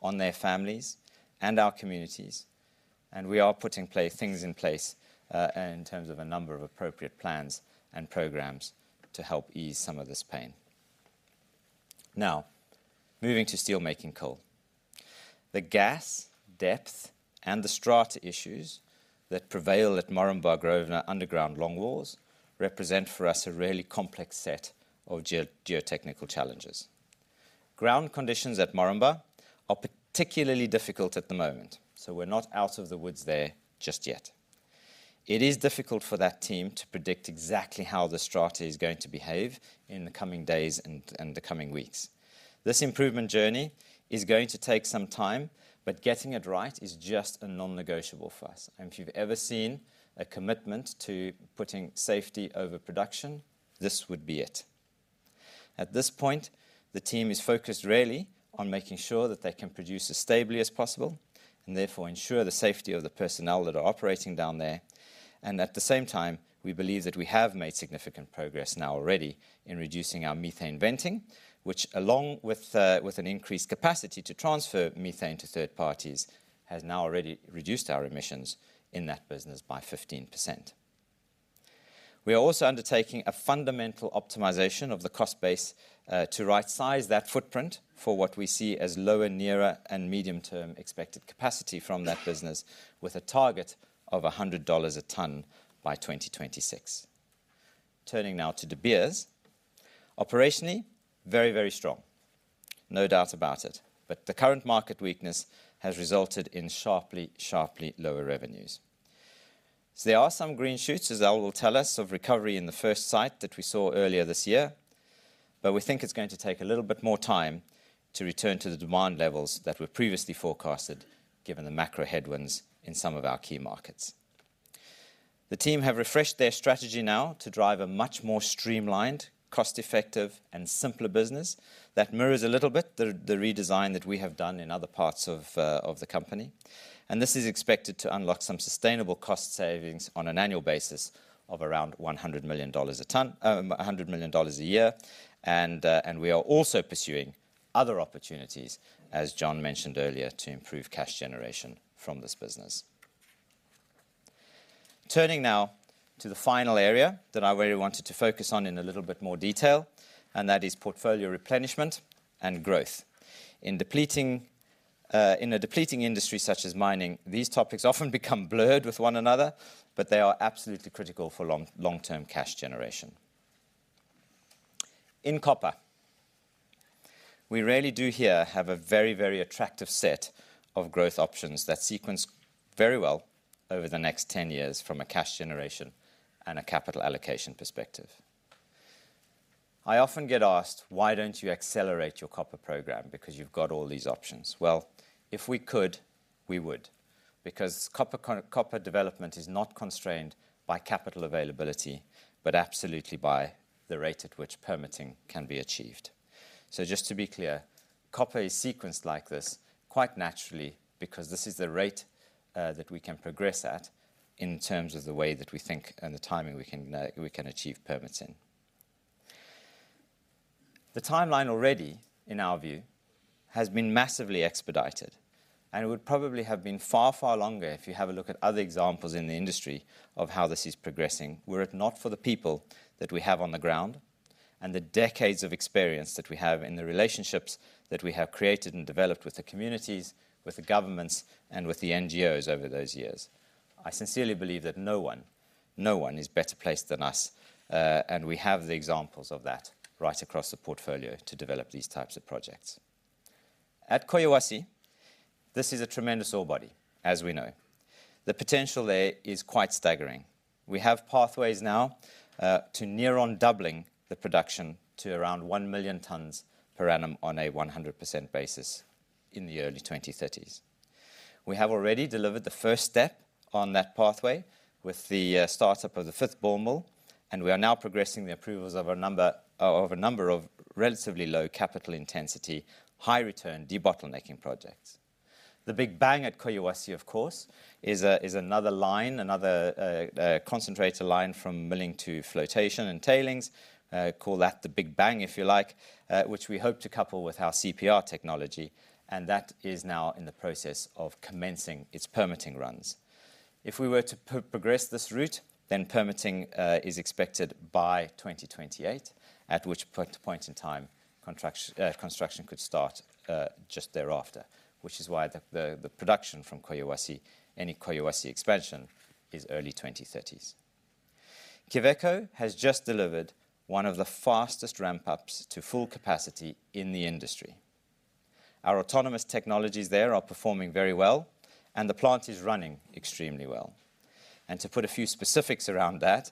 S2: on their families, and our communities, and we are putting things in place in terms of a number of appropriate plans and programs to help ease some of this pain. Now, moving to steelmaking coal. The gas, depth, and the strata issues that prevail at Moranbah Grosvenor and our underground longwalls represent for us a really complex set of geotechnical challenges. Ground conditions at Moranbah are particularly difficult at the moment, so we're not out of the woods there just yet. It is difficult for that team to predict exactly how the strata is going to behave in the coming days and the coming weeks. This improvement journey is going to take some time, but getting it right is just a non-negotiable for us. If you've ever seen a commitment to putting safety over production, this would be it. At this point, the team is focused really on making sure that they can produce as stably as possible and, therefore, ensure the safety of the personnel that are operating down there. At the same time, we believe that we have made significant progress now already in reducing our methane venting, which, along with an increased capacity to transfer methane to third parties, has now already reduced our emissions in that business by 15%. We are also undertaking a fundamental optimization of the cost base to right-size that footprint for what we see as lower, nearer, and medium-term expected capacity from that business, with a target of $100 a tonne by 2026. Turning now to De Beers. Operationally, very, very strong, no doubt about it. But the current market weakness has resulted in sharply, sharply lower revenues. So there are some green shoots, as Al will tell us, of recovery in the first Sight that we saw earlier this year, but we think it's going to take a little bit more time to return to the demand levels that were previously forecasted, given the macro headwinds in some of our key markets. The team have refreshed their strategy now to drive a much more streamlined, cost-effective, and simpler business that mirrors a little bit the redesign that we have done in other parts of the company. This is expected to unlock some sustainable cost savings on an annual basis of around $100 million a tonne, $100 million a year. We are also pursuing other opportunities, as John mentioned earlier, to improve cash generation from this business. Turning now to the final area that I really wanted to focus on in a little bit more detail, and that is portfolio replenishment and growth. In a depleting industry such as mining, these topics often become blurred with one another, but they are absolutely critical for long-term cash generation. In copper, we really do here have a very, very attractive set of growth options that sequence very well over the next 10 years from a cash generation and a capital allocation perspective. I often get asked, "Why don't you accelerate your copper program because you've got all these options?" Well, if we could, we would, because copper development is not constrained by capital availability, but absolutely by the rate at which permitting can be achieved. So just to be clear, copper is sequenced like this quite naturally because this is the rate that we can progress at in terms of the way that we think and the timing we can achieve permits in. The timeline already, in our view, has been massively expedited, and it would probably have been far, far longer if you have a look at other examples in the industry of how this is progressing, were it not for the people that we have on the ground and the decades of experience that we have in the relationships that we have created and developed with the communities, with the governments, and with the NGOs over those years. I sincerely believe that no one, no one is better placed than us, and we have the examples of that right across the portfolio to develop these types of projects. At Collahuasi, this is a tremendous ore body, as we know. The potential there is quite staggering. We have pathways now to near on doubling the production to around one million tons per annum on a 100% basis in the early 2030s. We have already delivered the first step on that pathway with the startup of the fifth ball mill, and we are now progressing the approvals of a number of relatively low capital intensity, high-return debottlenecking projects. The big bang at Quellaveco, of course, is another line, another concentrator line from milling to flotation and tailings. Call that the big bang, if you like, which we hope to couple with our CPR technology, and that is now in the process of commencing its permitting runs. If we were to progress this route, then permitting is expected by 2028, at which point in time construction could start just thereafter, which is why the production from Quellaveco, any Quellaveco expansion, is early 2030s. Quellaveco has just delivered one of the fastest ramp-ups to full capacity in the industry. Our autonomous technologies there are performing very well, and the plant is running extremely well. To put a few specifics around that,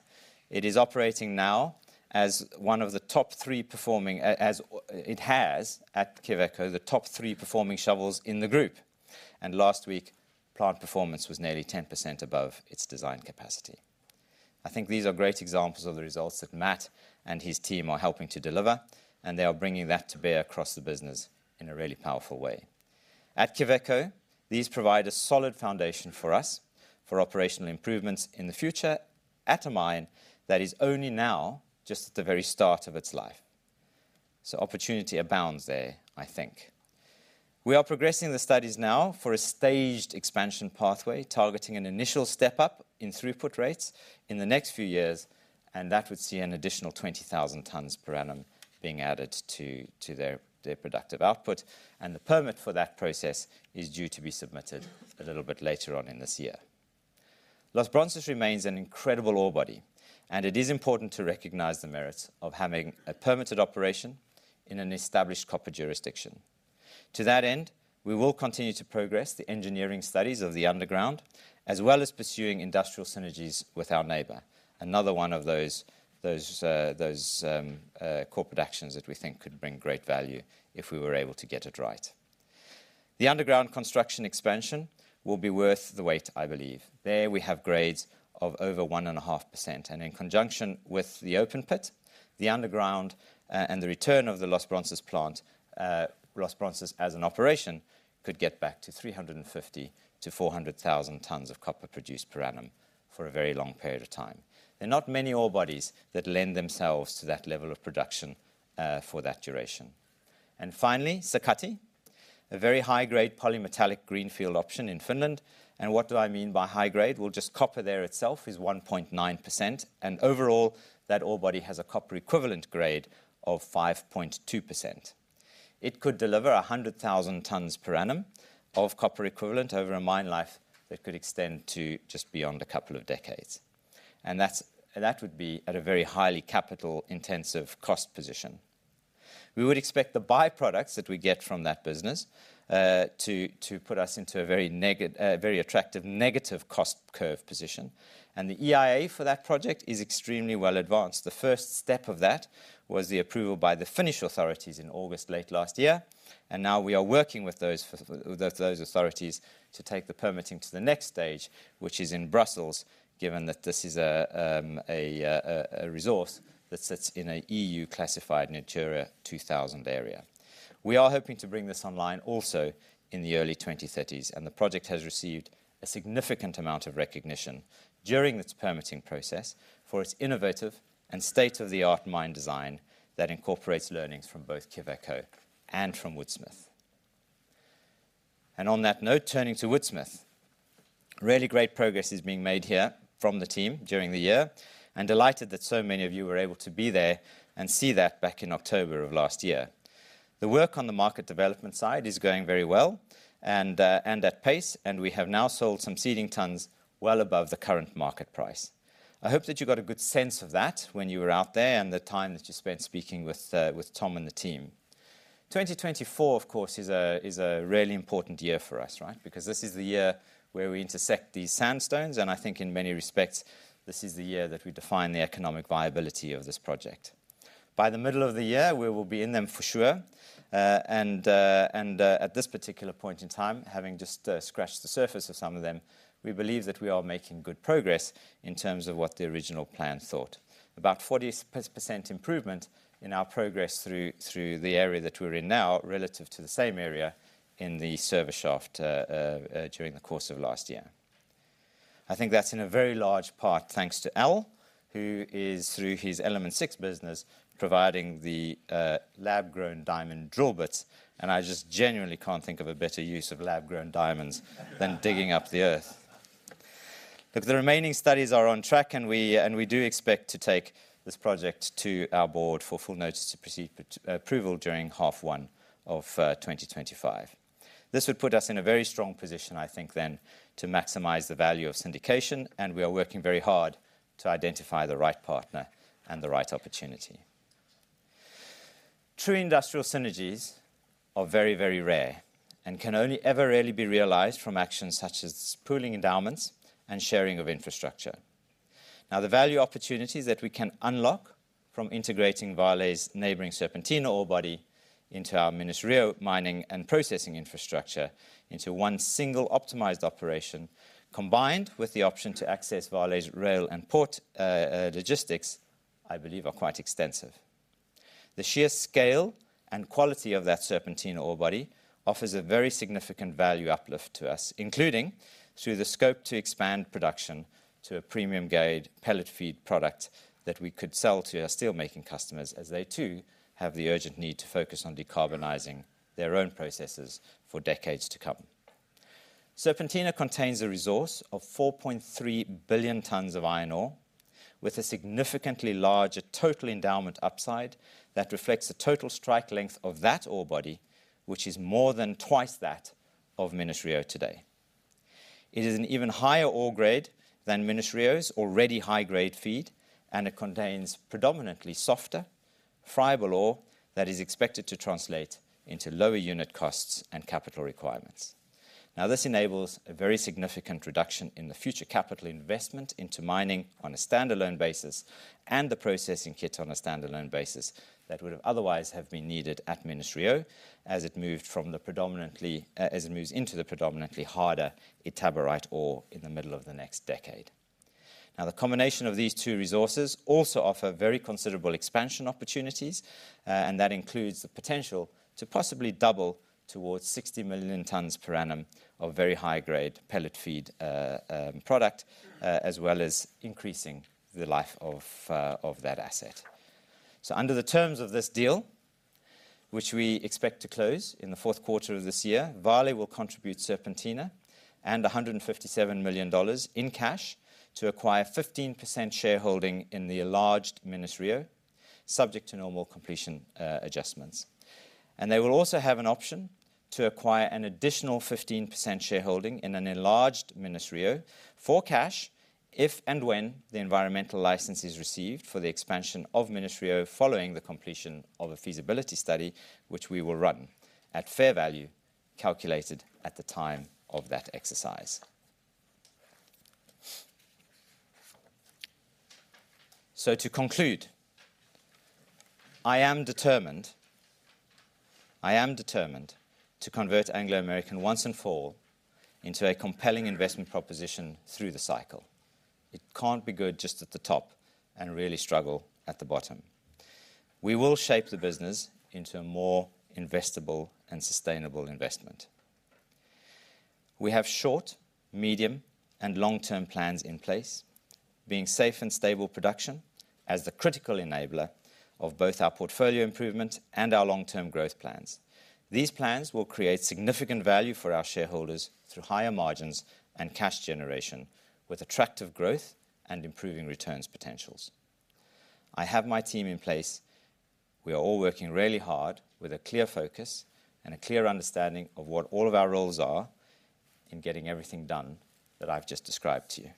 S2: it is operating now as one of the top three performing, as it has at Quellaveco, the top three performing shovels in the group. Last week, plant performance was nearly 10% above its design capacity. I think these are great examples of the results that Matt and his team are helping to deliver, and they are bringing that to bear across the business in a really powerful way. At Quellaveco, these provide a solid foundation for us for operational improvements in the future at a mine that is only now just at the very start of its life. Opportunity abounds there, I think. We are progressing the studies now for a staged expansion pathway targeting an initial step up in throughput rates in the next few years, and that would see an additional 20,000 tonnes per annum being added to their productive output. The permit for that process is due to be submitted a little bit later on in this year. Los Bronces remains an incredible ore body, and it is important to recognize the merits of having a permitted operation in an established copper jurisdiction. To that end, we will continue to progress the engineering studies of the underground, as well as pursuing industrial synergies with our neighbor, another one of those corporate actions that we think could bring great value if we were able to get it right. The underground construction expansion will be worth the wait, I believe. There we have grades of over 1.5%. In conjunction with the open pit, the underground and the return of the Los Bronces plant, Los Bronces as an operation could get back to 350,000-400,000 tonnes of copper produced per annum for a very long period of time. There are not many ore bodies that lend themselves to that level of production for that duration. Finally, Sakatti, a very high-grade polymetallic greenfield option in Finland. What do I mean by high-grade? Well, just copper there itself is 1.9%, and overall that ore body has a copper equivalent grade of 5.2%. It could deliver 100,000 tonnes per annum of copper equivalent over a mine life that could extend to just beyond a couple of decades. That would be at a very highly capital-intensive cost position. We would expect the byproducts that we get from that business to put us into a very attractive negative cost curve position. The EIA for that project is extremely well advanced. The first step of that was the approval by the Finnish authorities in August late last year, and now we are working with those authorities to take the permitting to the next stage, which is in Brussels, given that this is a resource that sits in an EU-classified Natura 2000 area. We are hoping to bring this online also in the early 2030s, and the project has received a significant amount of recognition during its permitting process for its innovative and state-of-the-art mine design that incorporates learnings from both Quellaveco and from Woodsmith. And on that note, turning to Woodsmith, really great progress is being made here from the team during the year, and delighted that so many of you were able to be there and see that back in October of last year. The work on the market development side is going very well and at pace, and we have now sold some seeding tonnes well above the current market price. I hope that you got a good sense of that when you were out there and the time that you spent speaking with Tom and the team. 2024, of course, is a really important year for us, right? Because this is the year where we intersect these sandstones, and I think in many respects, this is the year that we define the economic viability of this project. By the middle of the year, we will be in them for sure. At this particular point in time, having just scratched the surface of some of them, we believe that we are making good progress in terms of what the original plan thought about 40% improvement in our progress through the area that we're in now relative to the same area in the service shaft during the course of last year. I think that's in a very large part thanks to Al, who is, through his Element Six business, providing the lab-grown diamond drill bits, and I just genuinely can't think of a better use of lab-grown diamonds than digging up the earth. Look, the remaining studies are on track, and we do expect to take this project to our board for full notice to proceed approval during half one of 2025. This would put us in a very strong position, I think, then to maximize the value of syndication, and we are working very hard to identify the right partner and the right opportunity. True industrial synergies are very, very rare and can only ever really be realized from actions such as pooling endowments and sharing of infrastructure. Now, the value opportunities that we can unlock from integrating Vale's neighbouring Serpentina ore body into our Minas-Rio Mining and Processing infrastructure into one single optimized operation, combined with the option to access Vale's rail and port logistics, I believe, are quite extensive. The sheer scale and quality of that Serpentina ore body offers a very significant value uplift to us, including through the scope to expand production to a premium-grade pellet feed product that we could sell to our steelmaking customers as they, too, have the urgent need to focus on decarbonizing their own processes for decades to come. Serpentina contains a resource of 4.3 billion tonnes of iron ore, with a significantly larger total endowment upside that reflects the total strike length of that ore body, which is more than twice that of Minas-Rio today. It is an even higher ore grade than Minas-Rio's already high-grade feed, and it contains predominantly softer, friable ore that is expected to translate into lower unit costs and capital requirements. Now, this enables a very significant reduction in the future capital investment into mining on a standalone basis and the processing kit on a standalone basis that would otherwise have been needed at Minas-Rio as it moved from the predominantly as it moves into the predominantly harder itabirite ore in the middle of the next decade. Now, the combination of these two resources also offers very considerable expansion opportunities, and that includes the potential to possibly double towards 60 million tonnes per annum of very high-grade pellet feed product, as well as increasing the life of that asset. Under the terms of this deal, which we expect to close in the fourth quarter of this year, Vale will contribute Serpentina and $157 million in cash to acquire 15% shareholding in the enlarged Minas-Rio, subject to normal completion adjustments. They will also have an option to acquire an additional 15% shareholding in an enlarged Minas-Rio for cash if and when the environmental licence is received for the expansion of Minas-Rio following the completion of a feasibility study, which we will run at fair value calculated at the time of that exercise. To conclude, I am determined to convert Anglo American once and for all into a compelling investment proposition through the cycle. It can't be good just at the top and really struggle at the bottom. We will shape the business into a more investable and sustainable investment. We have short, medium, and long-term plans in place, being safe and stable production as the critical enabler of both our portfolio improvement and our long-term growth plans. These plans will create significant value for our shareholders through higher margins and cash generation, with attractive growth and improving returns potentials. I have my team in place. We are all working really hard with a clear focus and a clear understanding of what all of our roles are in getting everything done that I've just described to you.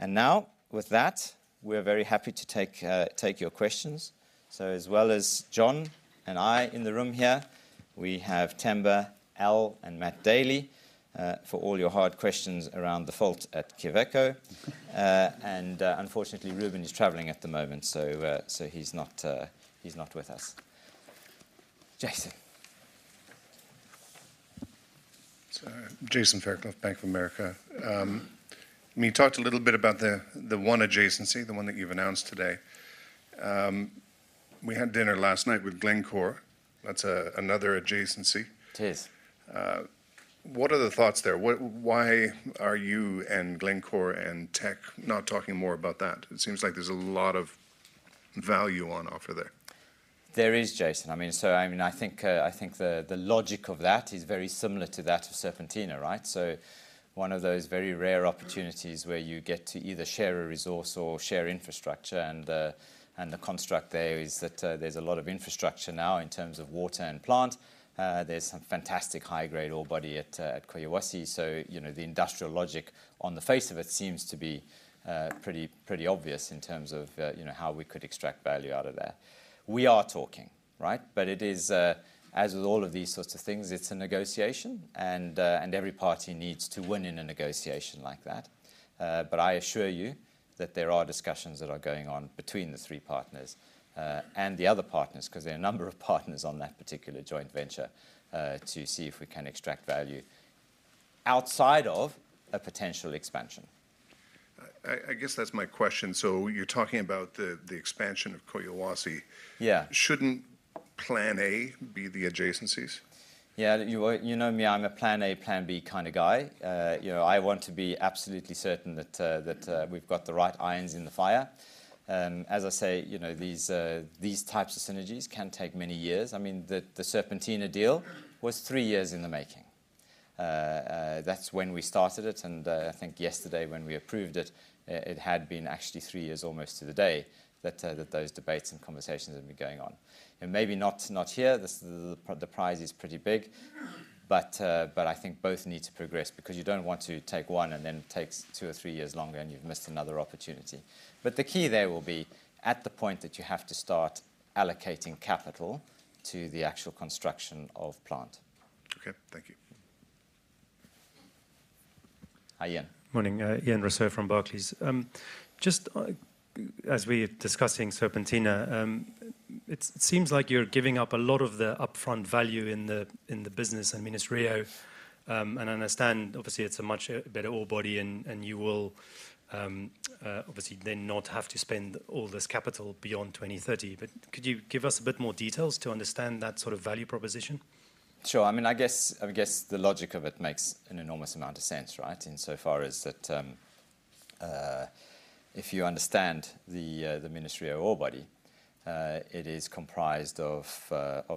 S2: And now, with that, we're very happy to take your questions. So as well as John and I in the room here, we have Tom, Al, and Matt Daley for all your hard questions around the fault at Quellaveco. And unfortunately, Ruben is travelling at the moment, so he's not with us. Jason.
S4: So Jason Fairclough, Bank of America. We talked a little bit about the one adjacency, the one that you've announced today. We had dinner last night with Glencore. That's another adjacency.
S2: It is.
S4: What are the thoughts there? Why are you and Glencore and Teck not talking more about that? It seems like there's a lot of value on offer there.
S2: There is, Jason. I mean, so I think the logic of that is very similar to that of Serpentina, right? So one of those very rare opportunities where you get to either share a resource or share infrastructure. And the construct there is that there's a lot of infrastructure now in terms of water and plant. There's some fantastic high-grade ore body at Collahuasi. So the industrial logic on the face of it seems to be pretty obvious in terms of how we could extract value out of that. We are talking, right? But it is, as with all of these sorts of things, it's a negotiation, and every party needs to win in a negotiation like that. But I assure you that there are discussions that are going on between the three partners and the other partners, because there are a number of partners on that particular joint venture, to see if we can extract value outside of a potential expansion.
S4: I guess that's my question. So you're talking about the expansion of Collahuasi. Shouldn't Plan A be the adjacencies?
S2: Yeah, you know me. I'm a Plan A, Plan B kind of guy. I want to be absolutely certain that we've got the right irons in the fire. As I say, these types of synergies can take many years. I mean, the Serpentina deal was three years in the making. That's when we started it. And I think yesterday, when we approved it, it had been actually three years almost to the day that those debates and conversations had been going on. And maybe not here. The prize is pretty big, but I think both need to progress, because you don't want to take one and then it takes two or three years longer, and you've missed another opportunity. But the key there will be at the point that you have to start allocating capital to the actual construction of plant.
S4: OK, thank you.
S2: Hi, Ian.
S5: Morning. Ian Rossouw from Barclays. Just as we were discussing Serpentina, it seems like you're giving up a lot of the upfront value in the business and Minas-Rio. And I understand, obviously, it's a much better ore body, and you will obviously then not have to spend all this capital beyond 2030. But could you give us a bit more details to understand that sort of value proposition?
S2: Sure. I mean, I guess the logic of it makes an enormous amount of sense, right, insofar as that if you understand the Minas-Rio ore body, it is comprised of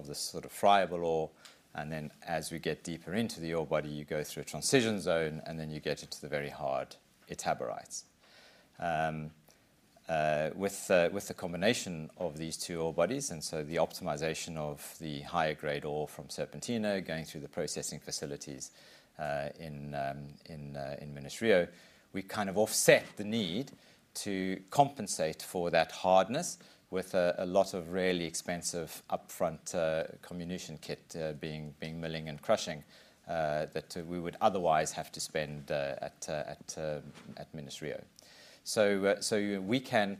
S2: this sort of friable ore. And then as we get deeper into the ore body, you go through a transition zone, and then you get into the very hard itabirites. With the combination of these two ore bodies, and so the optimization of the higher-grade ore from Serpentina going through the processing facilities in Minas-Rio, we kind of offset the need to compensate for that hardness with a lot of really expensive upfront comminution kit being milling and crushing that we would otherwise have to spend at Minas-Rio. So we can,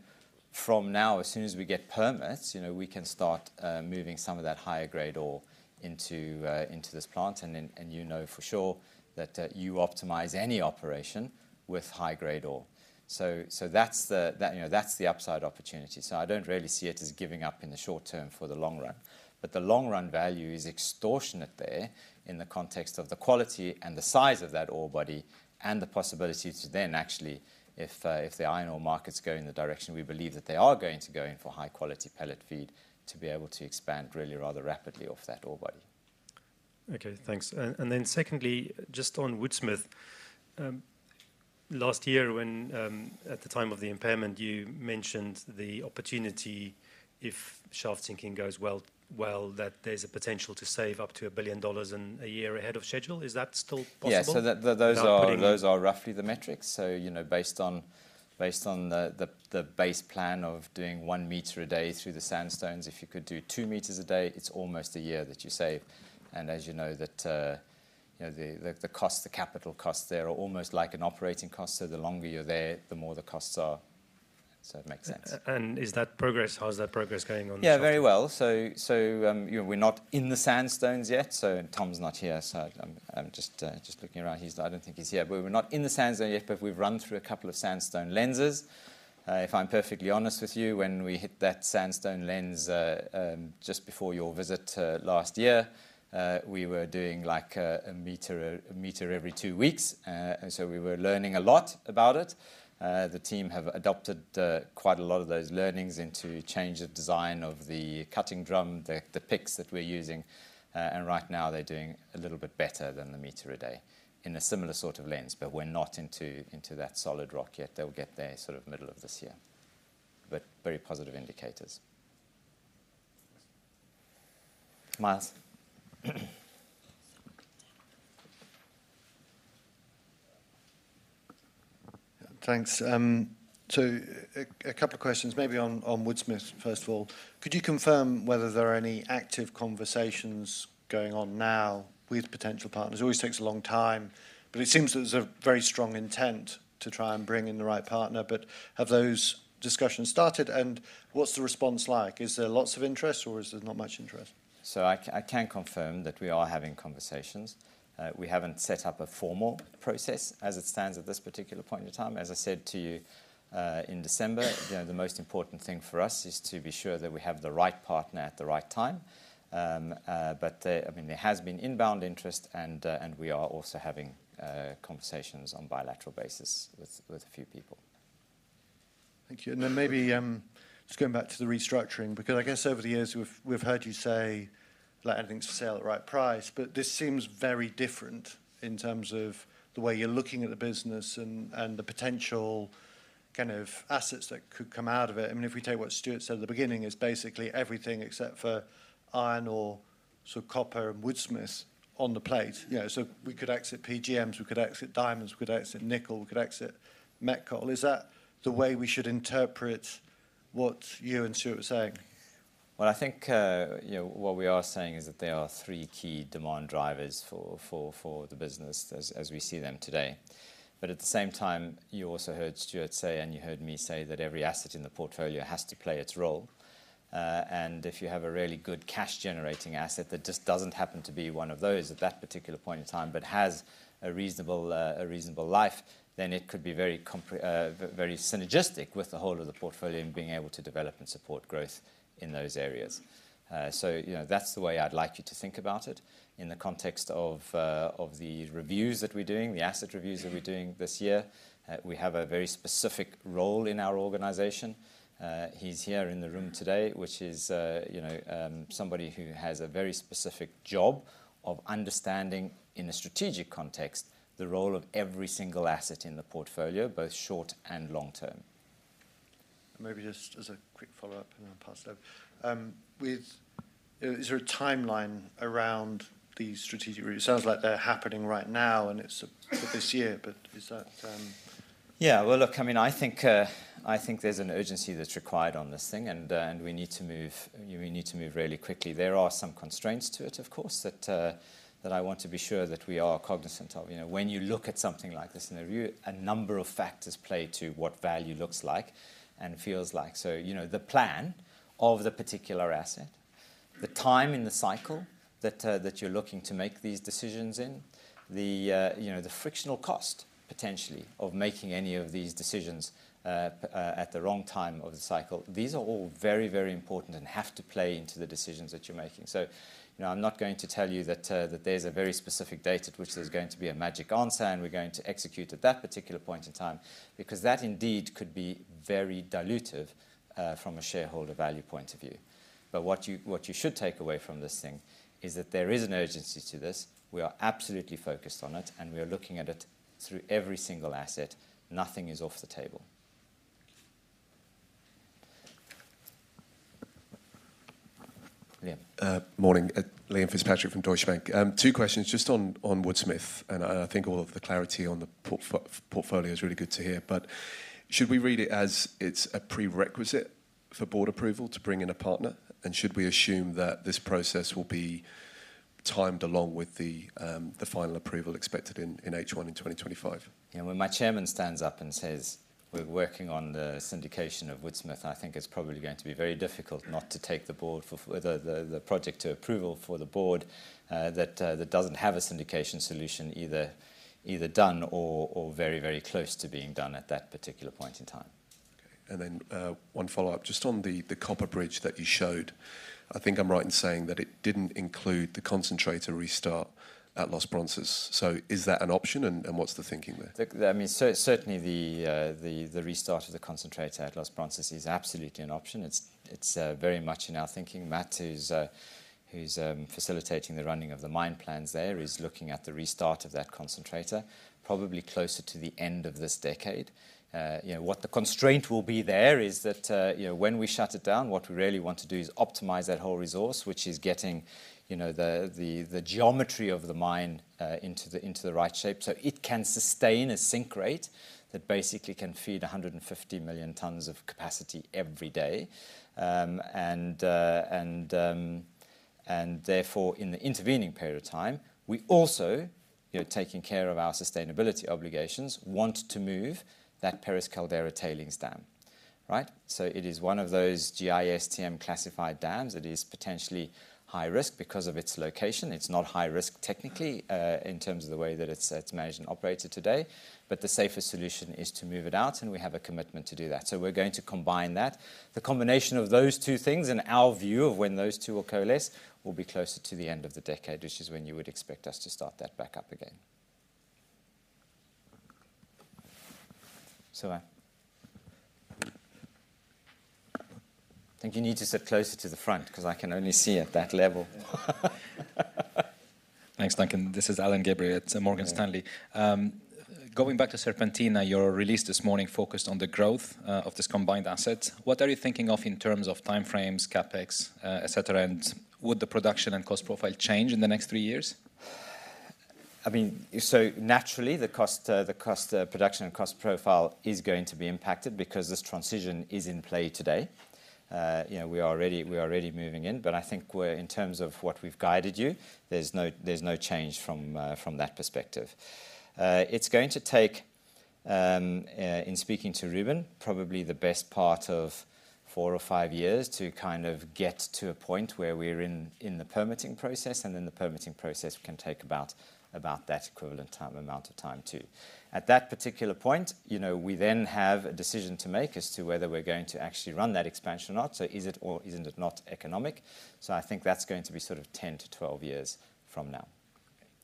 S2: from now, as soon as we get permits, we can start moving some of that higher-grade ore into this plant. You know for sure that you optimize any operation with high-grade ore. So that's the upside opportunity. So I don't really see it as giving up in the short term for the long run. But the long-run value is extortionate there in the context of the quality and the size of that ore body and the possibility to then actually, if the iron ore markets go in the direction we believe that they are going to go in for high-quality pellet feed, to be able to expand really rather rapidly off that ore body.
S5: OK, thanks. And then secondly, just on Woodsmith, last year, at the time of the impairment, you mentioned the opportunity, if shaft sinking goes well, that there's a potential to save up to $1 billion a year ahead of schedule. Is that still possible?
S2: Yeah, so those are roughly the metrics. So based on the base plan of doing one meter a day through the sandstones, if you could do two meters a day, it's almost a year that you save. And as you know, the cost, the capital costs there are almost like an operating cost. So the longer you're there, the more the costs are. So it makes sense.
S5: Is that progress? How is that progress going on?
S2: Yeah, very well. So we're not in the sandstones yet. So Tom's not here, so I'm just looking around. I don't think he's here. But we're not in the sandstone yet, but we've run through a couple of sandstone lenses. If I'm perfectly honest with you, when we hit that sandstone lens just before your visit last year, we were doing like a meter every two weeks. And so we were learning a lot about it. The team have adopted quite a lot of those learnings into changing the design of the cutting drum, the picks that we're using. And right now, they're doing a little bit better than the meter a day in a similar sort of lens. But we're not into that solid rock yet. They'll get there sort of middle of this year. But very positive indicators. Myles.
S5: Thanks. A couple of questions, maybe on Woodsmith, first of all. Could you confirm whether there are any active conversations going on now with potential partners? It always takes a long time, but it seems that there's a very strong intent to try and bring in the right partner. Have those discussions started? And what's the response like? Is there lots of interest, or is there not much interest?
S2: I can confirm that we are having conversations. We haven't set up a formal process as it stands at this particular point in time. As I said to you in December, the most important thing for us is to be sure that we have the right partner at the right time. But there has been inbound interest, and we are also having conversations on a bilateral basis with a few people.
S5: Thank you. And then maybe just going back to the restructuring, because I guess over the years, we've heard you say, like anything's for sale at the right price. But this seems very different in terms of the way you're looking at the business and the potential kind of assets that could come out of it. I mean, if we take what Stuart said at the beginning, it's basically everything except for iron ore, sort of copper, and Woodsmith on the plate. So we could exit PGMs. We could exit diamonds. We could exit nickel. We could exit met coal. Is that the way we should interpret what you and Stuart were saying?
S2: Well, I think what we are saying is that there are three key demand drivers for the business as we see them today. But at the same time, you also heard Stuart say, and you heard me say, that every asset in the portfolio has to play its role. And if you have a really good cash-generating asset that just doesn't happen to be one of those at that particular point in time, but has a reasonable life, then it could be very synergistic with the whole of the portfolio and being able to develop and support growth in those areas. So that's the way I'd like you to think about it in the context of the reviews that we're doing, the asset reviews that we're doing this year. We have a very specific role in our organization. He's here in the room today, which is somebody who has a very specific job of understanding, in a strategic context, the role of every single asset in the portfolio, both short and long term.
S5: Maybe just as a quick follow-up, and then I'll pass it over. Is there a timeline around these strategic reviews? It sounds like they're happening right now, and it's for this year. But is that?
S2: Yeah, well, look, I mean, I think there's an urgency that's required on this thing, and we need to move really quickly. There are some constraints to it, of course, that I want to be sure that we are cognizant of. When you look at something like this in a review, a number of factors play to what value looks like and feels like. So the plan of the particular asset, the time in the cycle that you're looking to make these decisions in, the frictional cost, potentially, of making any of these decisions at the wrong time of the cycle, these are all very, very important and have to play into the decisions that you're making. I'm not going to tell you that there's a very specific date at which there's going to be a magic answer, and we're going to execute at that particular point in time, because that indeed could be very dilutive from a shareholder value point of view. But what you should take away from this thing is that there is an urgency to this. We are absolutely focused on it, and we are looking at it through every single asset. Nothing is off the table. Liam.
S6: Morning. Liam Fitzpatrick from Deutsche Bank. Two questions just on Woodsmith. I think all of the clarity on the portfolio is really good to hear. But should we read it as it's a prerequisite for board approval to bring in a partner? And should we assume that this process will be timed along with the final approval expected in H1 in 2025?
S2: Yeah, when my chairman stands up and says, "We're working on the syndication of Woodsmith," I think it's probably going to be very difficult not to take the project to approval for the board that doesn't have a syndication solution either done or very, very close to being done at that particular point in time.
S6: OK, and then one follow-up. Just on the copper bridge that you showed, I think I'm right in saying that it didn't include the concentrator restart at Los Bronces. So is that an option, and what's the thinking there?
S2: I mean, certainly the restart of the concentrator at Los Bronces is absolutely an option. It's very much in our thinking. Matt, who's facilitating the running of the mine plans there, is looking at the restart of that concentrator, probably closer to the end of this decade. What the constraint will be there is that when we shut it down, what we really want to do is optimize that whole resource, which is getting the geometry of the mine into the right shape so it can sustain a sink rate that basically can feed 150 million tonnes of capacity every day. And therefore, in the intervening period of time, we also, taking care of our sustainability obligations, want to move that Pérez Caldera tailings dam. So it is one of those GISTM-classified dams that is potentially high risk because of its location. It's not high risk technically in terms of the way that it's managed and operated today. But the safest solution is to move it out, and we have a commitment to do that. So we're going to combine that. The combination of those two things and our view of when those two will coalesce will be closer to the end of the decade, which is when you would expect us to start that back up again. So I think you need to sit closer to the front, because I can only see at that level.
S7: Thanks, Duncan. This is Alain Gabriel at Morgan Stanley. Going back to Serpentina, your release this morning focused on the growth of this combined asset. What are you thinking of in terms of time frames, capex, et cetera? And would the production and cost profile change in the next three years?
S2: I mean, so naturally, the cost production and cost profile is going to be impacted because this transition is in play today. We are already moving in. But I think in terms of what we've guided you, there's no change from that perspective. It's going to take, in speaking to Ruben, probably the best part of four or five years to kind of get to a point where we're in the permitting process. And then the permitting process can take about that equivalent amount of time, too. At that particular point, we then have a decision to make as to whether we're going to actually run that expansion or not. So is it or isn't it not economic? So I think that's going to be sort of 10-12 years from now.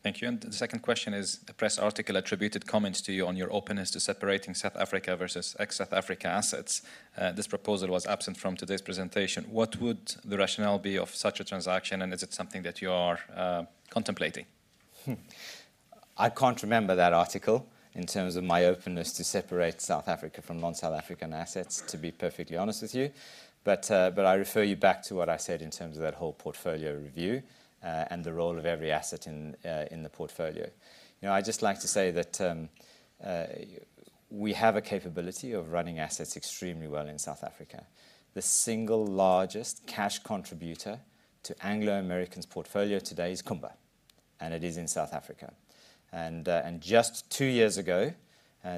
S7: Thank you. The second question is a press article attributed comments to you on your openness to separating South Africa versus ex-South Africa assets. This proposal was absent from today's presentation. What would the rationale be of such a transaction? Is it something that you are contemplating?
S2: I can't remember that article in terms of my openness to separate South Africa from non-South African assets, to be perfectly honest with you. But I refer you back to what I said in terms of that whole portfolio review and the role of every asset in the portfolio. I'd just like to say that we have a capability of running assets extremely well in South Africa. The single largest cash contributor to Anglo American's portfolio today is Kumba, and it is in South Africa. And just two years ago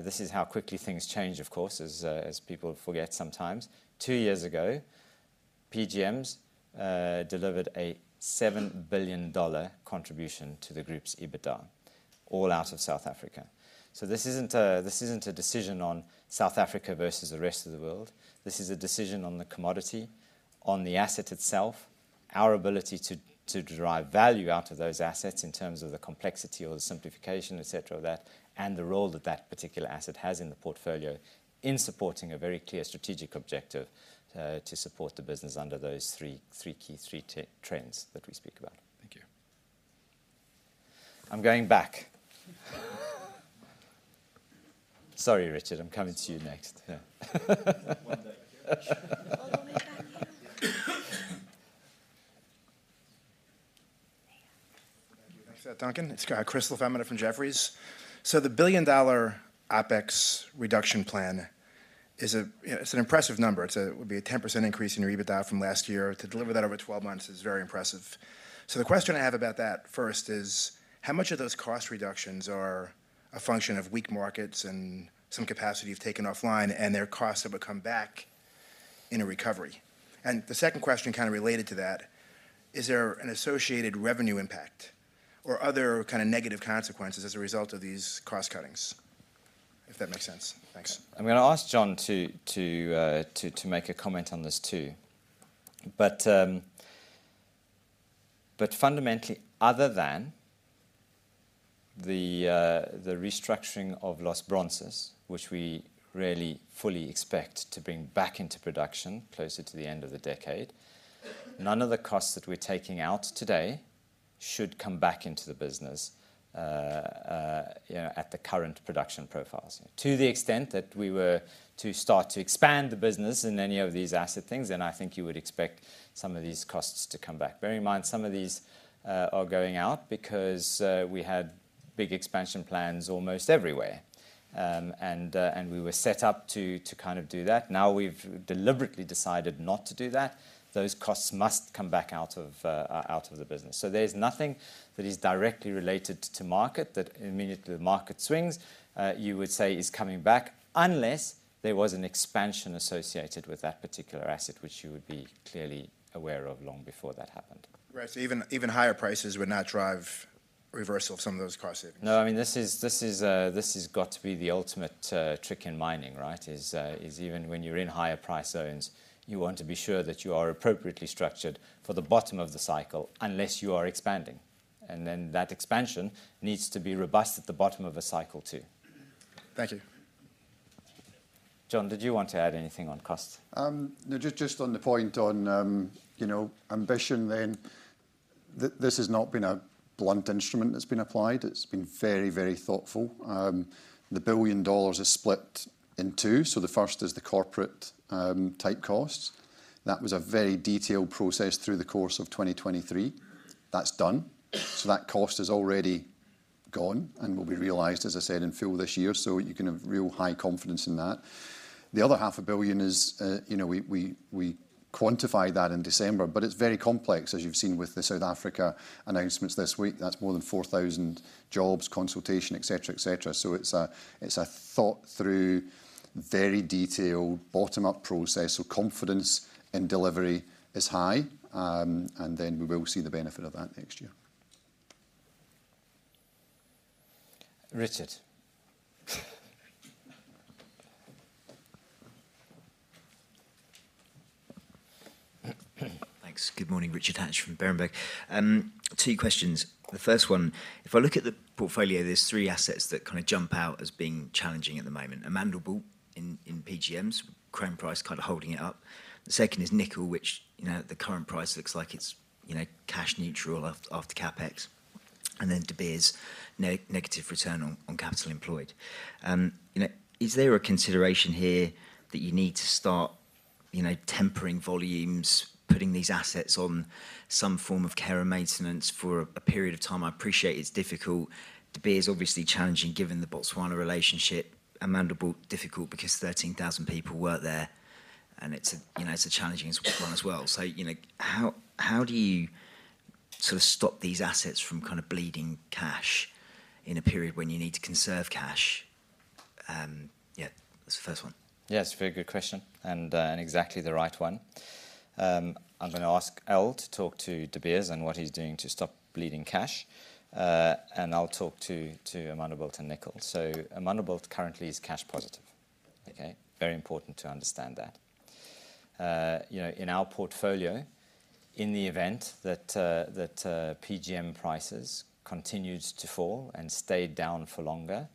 S2: this is how quickly things change, of course, as people forget sometimes two years ago, PGMs delivered a $7 billion contribution to the group's EBITDA, all out of South Africa. So this isn't a decision on South Africa versus the rest of the world. This is a decision on the commodity, on the asset itself, our ability to derive value out of those assets in terms of the complexity or the simplification, et cetera, of that, and the role that that particular asset has in the portfolio in supporting a very clear strategic objective to support the business under those three key, three trends that we speak about.
S7: Thank you.
S2: I'm going back. Sorry, Richard. I'm coming to you next.
S8: Thanks for that, Duncan. It's Chris LaFemina from Jefferies. So the billion-dollar OPEX reduction plan, it's an impressive number. It would be a 10% increase in your EBITDA from last year. To deliver that over 12 months is very impressive. So the question I have about that first is, how much of those cost reductions are a function of weak markets and some capacity you've taken offline, and their costs that would come back in a recovery? And the second question, kind of related to that, is there an associated revenue impact or other kind of negative consequences as a result of these cost cuttings, if that makes sense? Thanks.
S2: I'm going to ask John to make a comment on this, too. But fundamentally, other than the restructuring of Los Bronces, which we really fully expect to bring back into production closer to the end of the decade, none of the costs that we're taking out today should come back into the business at the current production profiles. To the extent that we were to start to expand the business in any of these asset things, then I think you would expect some of these costs to come back. Bear in mind, some of these are going out because we had big expansion plans almost everywhere, and we were set up to kind of do that. Now we've deliberately decided not to do that. Those costs must come back out of the business. There's nothing that is directly related to market that, immediately the market swings, you would say is coming back unless there was an expansion associated with that particular asset, which you would be clearly aware of long before that happened.
S8: Right, so even higher prices would not drive reversal of some of those cost savings?
S2: No, I mean, this has got to be the ultimate trick in mining, right? Even when you're in higher price zones, you want to be sure that you are appropriately structured for the bottom of the cycle unless you are expanding. And then that expansion needs to be robust at the bottom of a cycle, too.
S8: Thank you.
S2: John, did you want to add anything on cost?
S3: Just on the point on ambition, then, this has not been a blunt instrument that's been applied. It's been very, very thoughtful. The $1 billion is split in two. So the first is the corporate-type costs. That was a very detailed process through the course of 2023. That's done. So that cost is already gone and will be realized, as I said, in full this year. So you can have real high confidence in that. The other $500 million is we quantified that in December. But it's very complex, as you've seen with the South Africa announcements this week. That's more than 4,000 jobs, consultation, et cetera, et cetera. So it's a thought-through, very detailed bottom-up process. So confidence in delivery is high. And then we will see the benefit of that next year.
S2: Richard.
S9: Thanks. Good morning, Richard Hatch from Berenberg. Two questions. The first one, if I look at the portfolio, there's three assets that kind of jump out as being challenging at the moment: Amandelbult in PGMs, rhodium price kind of holding it up. The second is nickel, which the current price looks like it's cash neutral after capex. And then De Beers, negative return on capital employed. Is there a consideration here that you need to start tempering volumes, putting these assets on some form of care and maintenance for a period of time? I appreciate it's difficult. De Beers is obviously challenging given the Botswana relationship. Amandelbult, difficult because 13,000 people work there. And it's a challenging one as well. So how do you sort of stop these assets from kind of bleeding cash in a period when you need to conserve cash? Yeah, that's the first one.
S2: Yeah, it's a very good question and exactly the right one. I'm going to ask Al to talk to De Beers and what he's doing to stop bleeding cash. And I'll talk to Amandelbult and nickel. So Amandelbult currently is cash positive. OK, very important to understand that. In our portfolio, in the event that PGM prices continued to fall and stayed down for longer,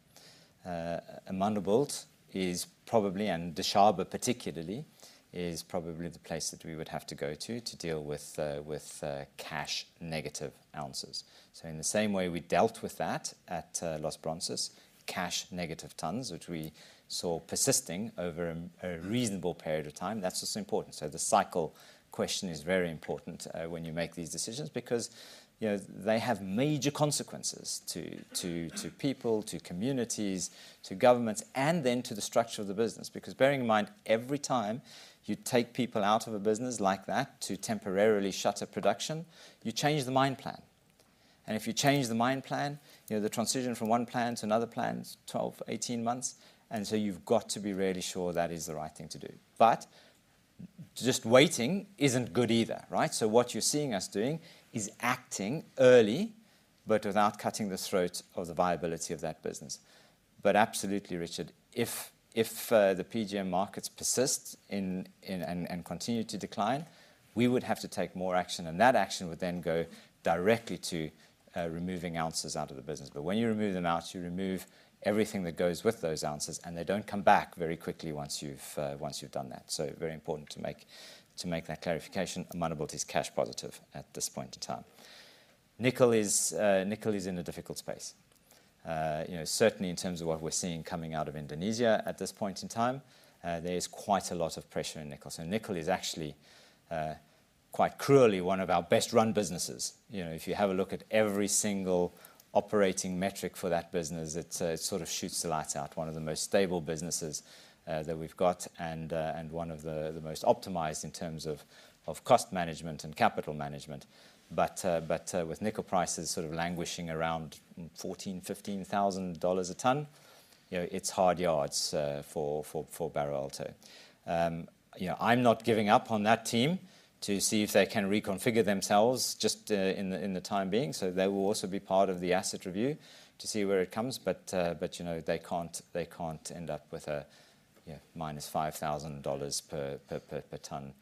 S2: Amandelbult is probably and Dishaba, particularly, is probably the place that we would have to go to to deal with cash negative ounces. So in the same way we dealt with that at Los Bronces, cash negative tonnes, which we saw persisting over a reasonable period of time, that's also important. So the cycle question is very important when you make these decisions, because they have major consequences to people, to communities, to governments, and then to the structure of the business. Because bearing in mind, every time you take people out of a business like that to temporarily shut down production, you change the mine plan. If you change the mine plan, the transition from one plan to another plan is 12-18 months. So you've got to be really sure that is the right thing to do. But just waiting isn't good either, right? So what you're seeing us doing is acting early, but without cutting the throat of the viability of that business. But absolutely, Richard, if the PGM markets persist and continue to decline, we would have to take more action. And that action would then go directly to removing ounces out of the business. But when you remove them out, you remove everything that goes with those ounces. And they don't come back very quickly once you've done that. So very important to make that clarification. Amandelbult is cash positive at this point in time. Nickel is in a difficult space, certainly in terms of what we're seeing coming out of Indonesia at this point in time. There is quite a lot of pressure in nickel. So nickel is actually quite cruelly one of our best-run businesses. If you have a look at every single operating metric for that business, it sort of shoots the lights out. One of the most stable businesses that we've got and one of the most optimized in terms of cost management and capital management. But with nickel prices sort of languishing around $14,000-$15,000 a tonne, it's hard yards for Barro Alto. I'm not giving up on that team to see if they can reconfigure themselves just in the meantime. So they will also be part of the asset review to see where it comes. But they can't end up with a -$5,000 per tonne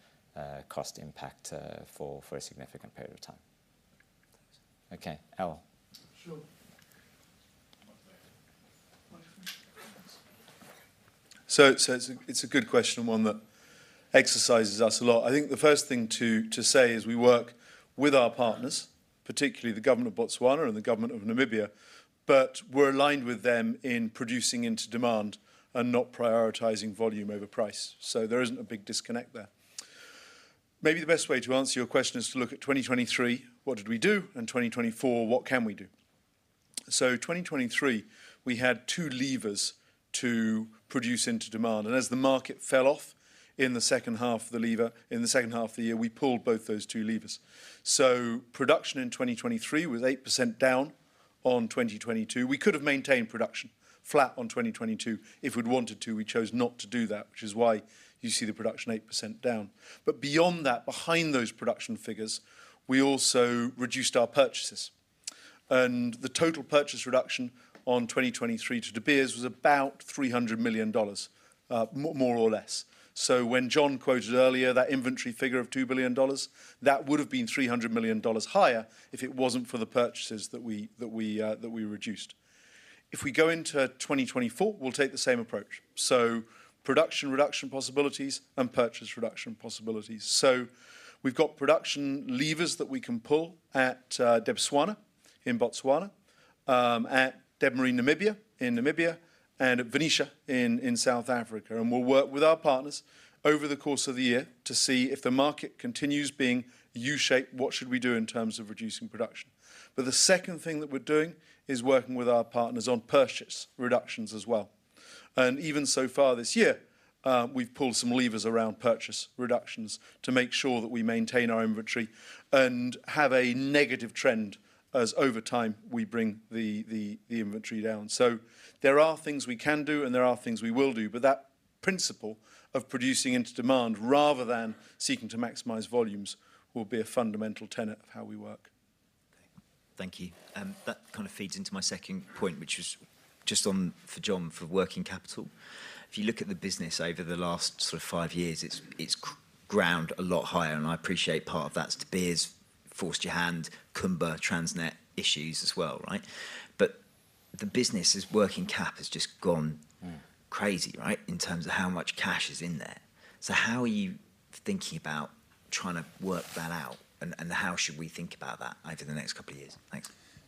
S2: cost impact for a significant period of time. OK, Al.
S9: Sure. Thanks.
S6: So it's a good question and one that exercises us a lot. I think the first thing to say is we work with our partners, particularly the government of Botswana and the government of Namibia. But we're aligned with them in producing into demand and not prioritizing volume over price. So there isn't a big disconnect there. Maybe the best way to answer your question is to look at 2023, what did we do? And 2024, what can we do? So 2023, we had two levers to produce into demand. And as the market fell off in the second half of the year, we pulled both those two levers. So production in 2023 was 8% down on 2022. We could have maintained production flat on 2022 if we'd wanted to. We chose not to do that, which is why you see the production 8% down. But beyond that, behind those production figures, we also reduced our purchases. And the total purchase reduction in 2023 to De Beers was about $300 million, more or less. So when John quoted earlier that inventory figure of $2 billion, that would have been $300 million higher if it wasn't for the purchases that we reduced. If we go into 2024, we'll take the same approach. So production reduction possibilities and purchase reduction possibilities. So we've got production levers that we can pull at Debswana in Botswana, at Debmarine Namibia in Namibia, and at Venetia in South Africa. And we'll work with our partners over the course of the year to see if the market continues being U-shaped, what should we do in terms of reducing production? The second thing that we're doing is working with our partners on purchase reductions as well. Even so far this year, we've pulled some levers around purchase reductions to make sure that we maintain our inventory and have a negative trend as over time we bring the inventory down. There are things we can do, and there are things we will do. But that principle of producing into demand rather than seeking to maximize volumes will be a fundamental tenet of how we work.
S9: Thank you. That kind of feeds into my second point, which was just on for John for working capital. If you look at the business over the last sort of five years, it's ground a lot higher. And I appreciate part of that's De Beers, Venetia handover, Kumba, Transnet issues as well, right? But the business's working cap has just gone crazy, right, in terms of how much cash is in there. So how are you thinking about trying to work that out? And how should we think about that over the next couple of years?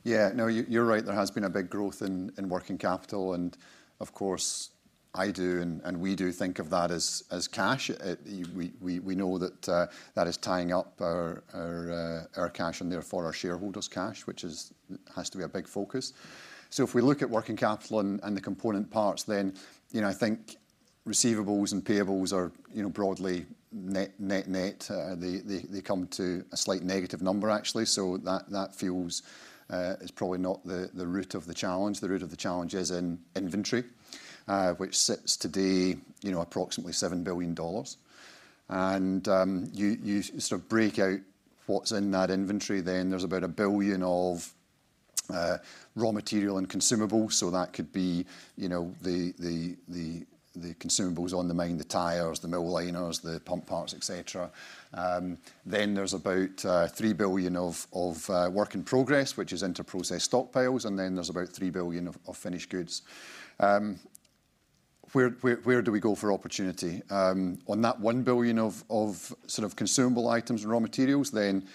S9: Thanks.
S3: Yeah, no, you're right. There has been a big growth in working capital. And of course, I do and we do think of that as cash. We know that that is tying up our cash and therefore our shareholders' cash, which has to be a big focus. So if we look at working capital and the component parts, then I think receivables and payables are broadly net-net. They come to a slight negative number, actually. So that feels is probably not the root of the challenge. The root of the challenge is in inventory, which sits today approximately $7 billion. And you sort of break out what's in that inventory, then there's about $1 billion of raw material and consumables. So that could be the consumables on the mine, the tires, the mill liners, the pump parts, et cetera. Then there's about $3 billion of work in progress, which is into processed stockpiles. Then there's about $3 billion of finished goods. Where do we go for opportunity? On that $1 billion of sort of consumable items and raw materials, then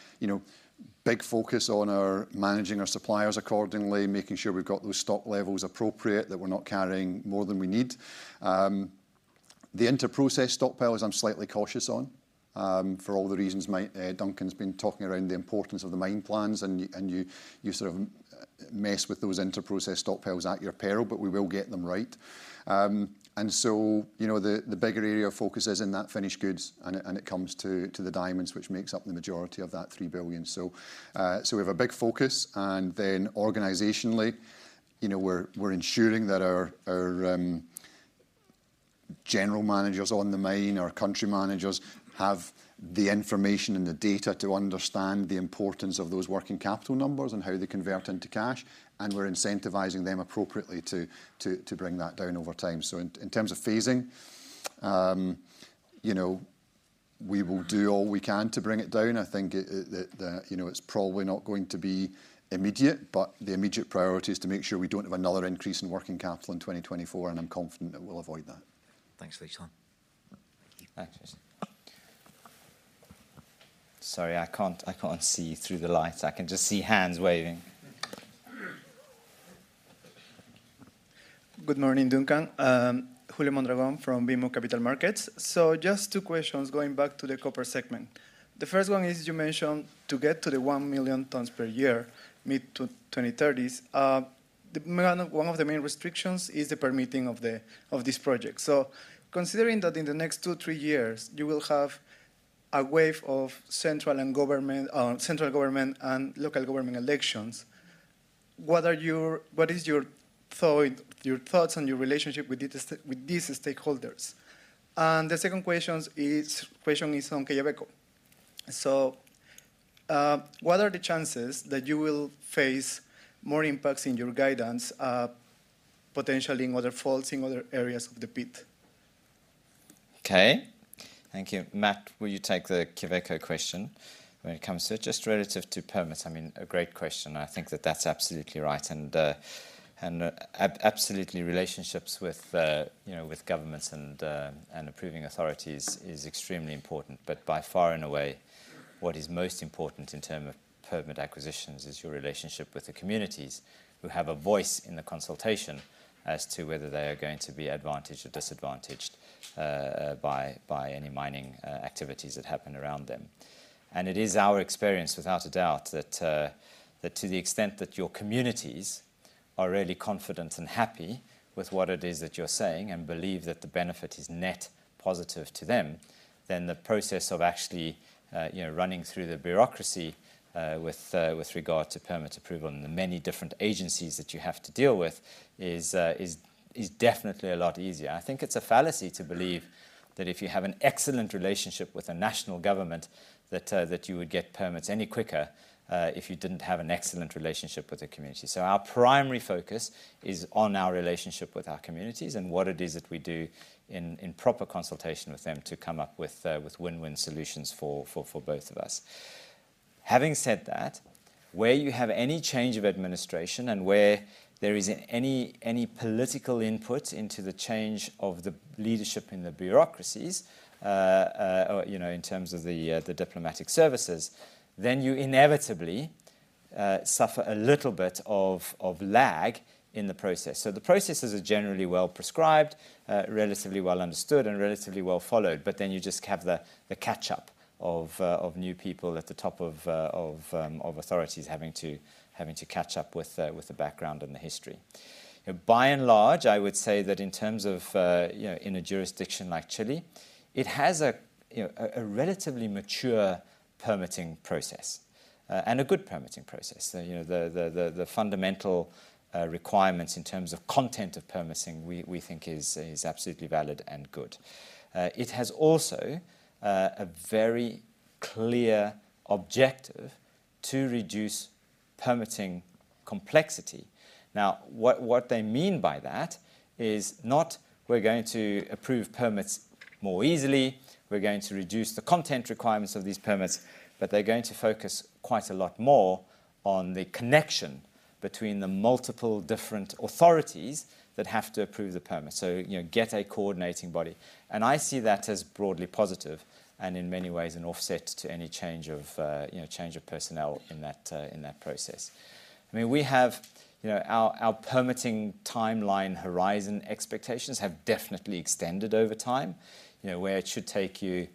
S3: big focus on managing our suppliers accordingly, making sure we've got those stock levels appropriate, that we're not carrying more than we need. The interprocess stockpiles I'm slightly cautious on for all the reasons Duncan's been talking around the importance of the mine plans. And you sort of mess with those interprocess stockpiles at your peril. But we will get them right. So the bigger area of focus is in that finished goods. And it comes to the diamonds, which makes up the majority of that $3 billion. So we have a big focus. Then organizationally, we're ensuring that our general managers on the mine, our country managers, have the information and the data to understand the importance of those working capital numbers and how they convert into cash. We're incentivizing them appropriately to bring that down over time. In terms of phasing, we will do all we can to bring it down. I think it's probably not going to be immediate. The immediate priority is to make sure we don't have another increase in working capital in 2024. I'm confident that we'll avoid that.
S9: Thanks, John. Thank you.
S3: Thanks, Richard.
S2: Sorry, I can't see through the lights. I can just see hands waving.
S10: Good morning, Duncan. Julio Mondragon from BMO Capital Markets. So just two questions going back to the copper segment. The first one is you mentioned to get to the one million tonnes per year mid-2030s. One of the main restrictions is the permitting of this project. So considering that in the next two, three years, you will have a wave of central government and local government elections, what is your thoughts and your relationship with these stakeholders? And the second question is on Quellaveco. So what are the chances that you will face more impacts in your guidance, potentially in other faults, in other areas of the pit?
S2: OK, thank you. Matt, will you take the Quellaveco question when it comes to just relative to permits? I mean, a great question. I think that that's absolutely right. Absolutely, relationships with governments and approving authorities is extremely important. But by far and away, what is most important in terms of permit acquisitions is your relationship with the communities who have a voice in the consultation as to whether they are going to be advantaged or disadvantaged by any mining activities that happen around them. It is our experience, without a doubt, that to the extent that your communities are really confident and happy with what it is that you're saying and believe that the benefit is net positive to them, then the process of actually running through the bureaucracy with regard to permit approval and the many different agencies that you have to deal with is definitely a lot easier. I think it's a fallacy to believe that if you have an excellent relationship with a national government, that you would get permits any quicker if you didn't have an excellent relationship with the community. So our primary focus is on our relationship with our communities and what it is that we do in proper consultation with them to come up with win-win solutions for both of us. Having said that, where you have any change of administration and where there is any political input into the change of the leadership in the bureaucracies in terms of the diplomatic services, then you inevitably suffer a little bit of lag in the process. So the processes are generally well prescribed, relatively well understood, and relatively well followed. But then you just have the catch-up of new people at the top of authorities having to catch up with the background and the history. By and large, I would say that in terms of in a jurisdiction like Chile, it has a relatively mature permitting process and a good permitting process. So the fundamental requirements in terms of content of permitting, we think, is absolutely valid and good. It has also a very clear objective to reduce permitting complexity. Now, what they mean by that is not we're going to approve permits more easily. We're going to reduce the content requirements of these permits. But they're going to focus quite a lot more on the connection between the multiple different authorities that have to approve the permit, so get a coordinating body. And I see that as broadly positive and in many ways an offset to any change of personnel in that process. I mean, we have our permitting timeline horizon expectations have definitely extended over time, where it should take you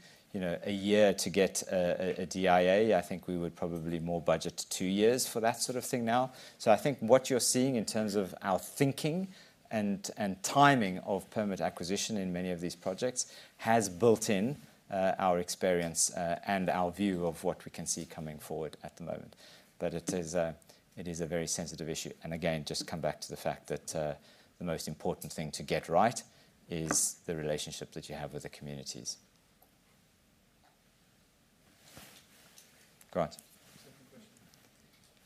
S2: a year to get a DIA. I think we would probably more budget to two years for that sort of thing now. I think what you're seeing in terms of our thinking and timing of permit acquisition in many of these projects has built in our experience and our view of what we can see coming forward at the moment. It is a very sensitive issue. Again, just come back to the fact that the most important thing to get right is the relationship that you have with the communities. Go on.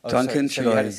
S11: Duncan, shall I?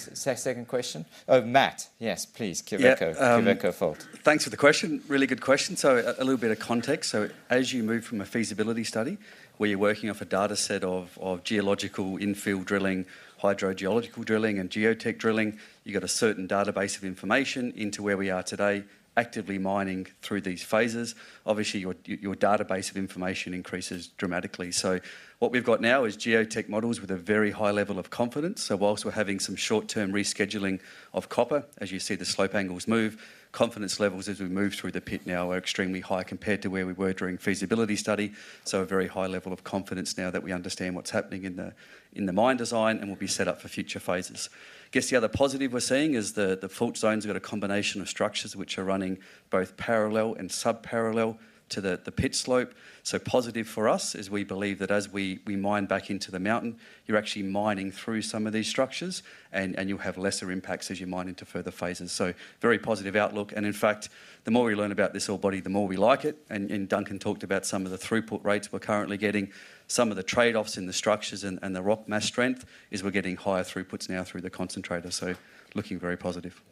S2: Oh, Matt, yes, please. Quellaveco fault.
S11: Thanks for the question. Really good question. So a little bit of context. So as you move from a feasibility study, where you're working off a data set of geological infield drilling, hydrogeological drilling, and geotech drilling, you've got a certain database of information into where we are today, actively mining through these phases. Obviously, your database of information increases dramatically. So what we've got now is geotech models with a very high level of confidence. So whilst we're having some short-term rescheduling of copper, as you see the slope angles move, confidence levels as we move through the pit now are extremely high compared to where we were during the Feasibility Study. So a very high level of confidence now that we understand what's happening in the mine design and will be set up for future phases. I guess the other positive we're seeing is the fault zones have got a combination of structures which are running both parallel and subparallel to the pit slope. So positive for us is we believe that as we mine back into the mountain, you're actually mining through some of these structures. And you'll have lesser impacts as you mine into further phases. So very positive outlook. And in fact, the more we learn about this ore body, the more we like it. And Duncan talked about some of the throughput rates we're currently getting. Some of the trade-offs in the structures and the rock mass strength is we're getting higher throughputs now through the concentrator. So looking very positive.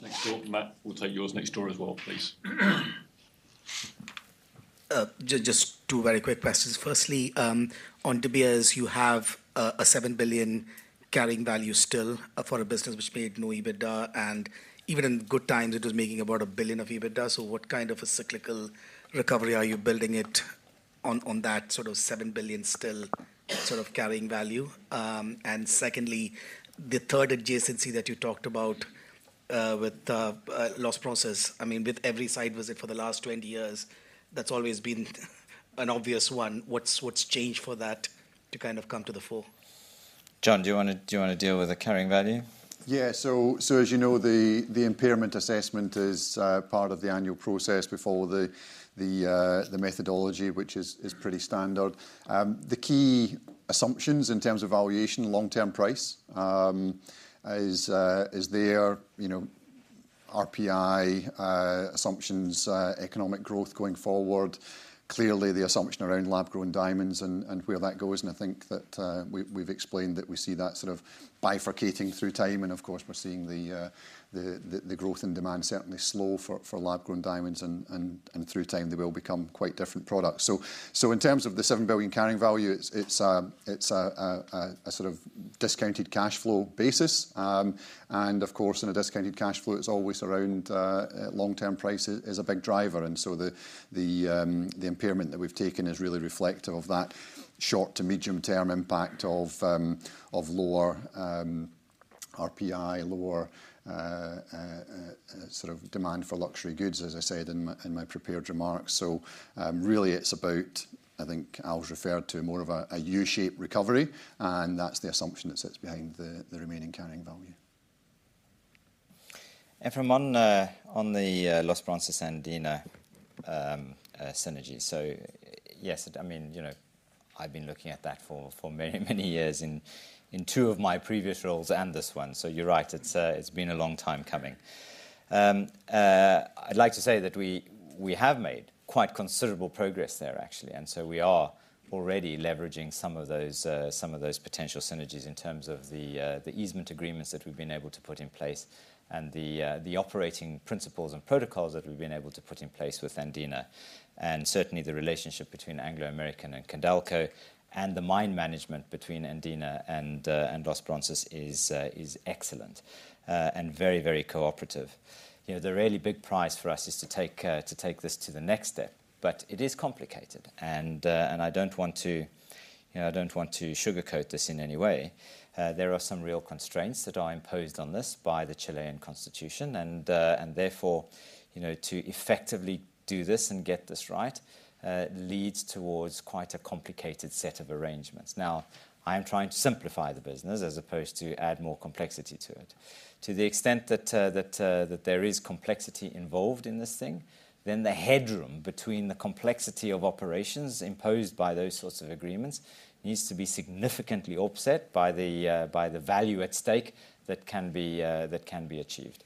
S1: Can I jump in? So Efrem, can we go to you for your question? Because you've made your hand up longest. Go on. Can we just take yours next door? And Bob, can you take yours next door? Matt, we'll take yours next door as well, please.
S12: Just two very quick questions. Firstly, on De Beers, you have a $7 billion carrying value still for a business which made no EBITDA. And even in good times, it was making about $1 billion of EBITDA. So what kind of a cyclical recovery are you building it on that sort of $7 billion still sort of carrying value? And secondly, the third adjacency that you talked about with Los Bronces, I mean, with every site visit for the last 20 years, that's always been an obvious one. What's changed for that to kind of come to the fore?
S2: John, do you want to deal with the carrying value?
S3: Yeah. So as you know, the impairment assessment is part of the annual process before the methodology, which is pretty standard. The key assumptions in terms of valuation, long-term price, is there, RPI assumptions, economic growth going forward. Clearly, the assumption around lab-grown diamonds and where that goes. And I think that we've explained that we see that sort of bifurcating through time. And of course, we're seeing the growth in demand certainly slow for lab-grown diamonds. And through time, they will become quite different products. So in terms of the $7 billion carrying value, it's a sort of discounted cash flow basis. And of course, in a discounted cash flow, it's always around long-term price is a big driver. So the impairment that we've taken is really reflective of that short to medium-term impact of lower RPI, lower sort of demand for luxury goods, as I said in my prepared remarks. Really, it's about, I think Al's referred to, more of a U-shaped recovery. That's the assumption that sits behind the remaining carrying value.
S2: Efrem, on the Los Bronces and Andina synergy. So yes, I mean, I've been looking at that for many, many years in two of my previous roles and this one. So you're right. It's been a long time coming. I'd like to say that we have made quite considerable progress there, actually. And so we are already leveraging some of those potential synergies in terms of the easement agreements that we've been able to put in place and the operating principles and protocols that we've been able to put in place with Andina. And certainly, the relationship between Anglo American and Teck and the mine management between Andina and Los Bronces is excellent and very, very cooperative. The really big prize for us is to take this to the next step. But it is complicated. And I don't want to sugarcoat this in any way. There are some real constraints that are imposed on this by the Chilean Constitution. Therefore, to effectively do this and get this right leads towards quite a complicated set of arrangements. Now, I'm trying to simplify the business as opposed to add more complexity to it. To the extent that there is complexity involved in this thing, then the headroom between the complexity of operations imposed by those sorts of agreements needs to be significantly offset by the value at stake that can be achieved.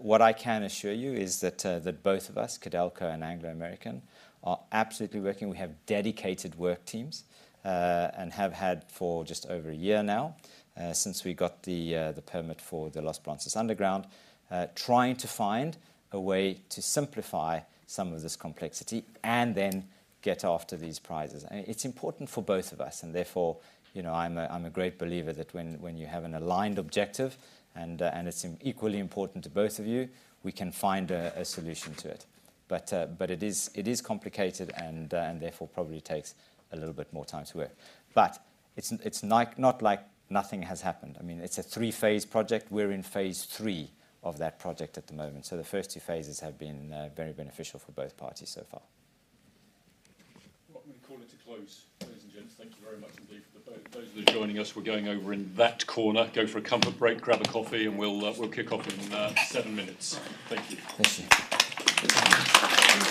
S2: What I can assure you is that both of us, Teck Resources and Anglo American, are absolutely working. We have dedicated work teams and have had for just over a year now since we got the permit for the Los Bronces underground, trying to find a way to simplify some of this complexity and then get after these prizes. And it's important for both of us. And therefore, I'm a great believer that when you have an aligned objective, and it's equally important to both of you, we can find a solution to it. But it is complicated. And therefore, probably takes a little bit more time to work. But it's not like nothing has happened. I mean, it's a three-phase project. We're in phase three of that project at the moment. So the first two phases have been very beneficial for both parties so far.
S1: Well, I'm going to call it to close, ladies and gentlemen. Thank you very much. Those of you joining us, we're going over in that corner. Go for a comfort break, grab a coffee. We'll kick off in seven minutes. Thank you.
S2: Thank you.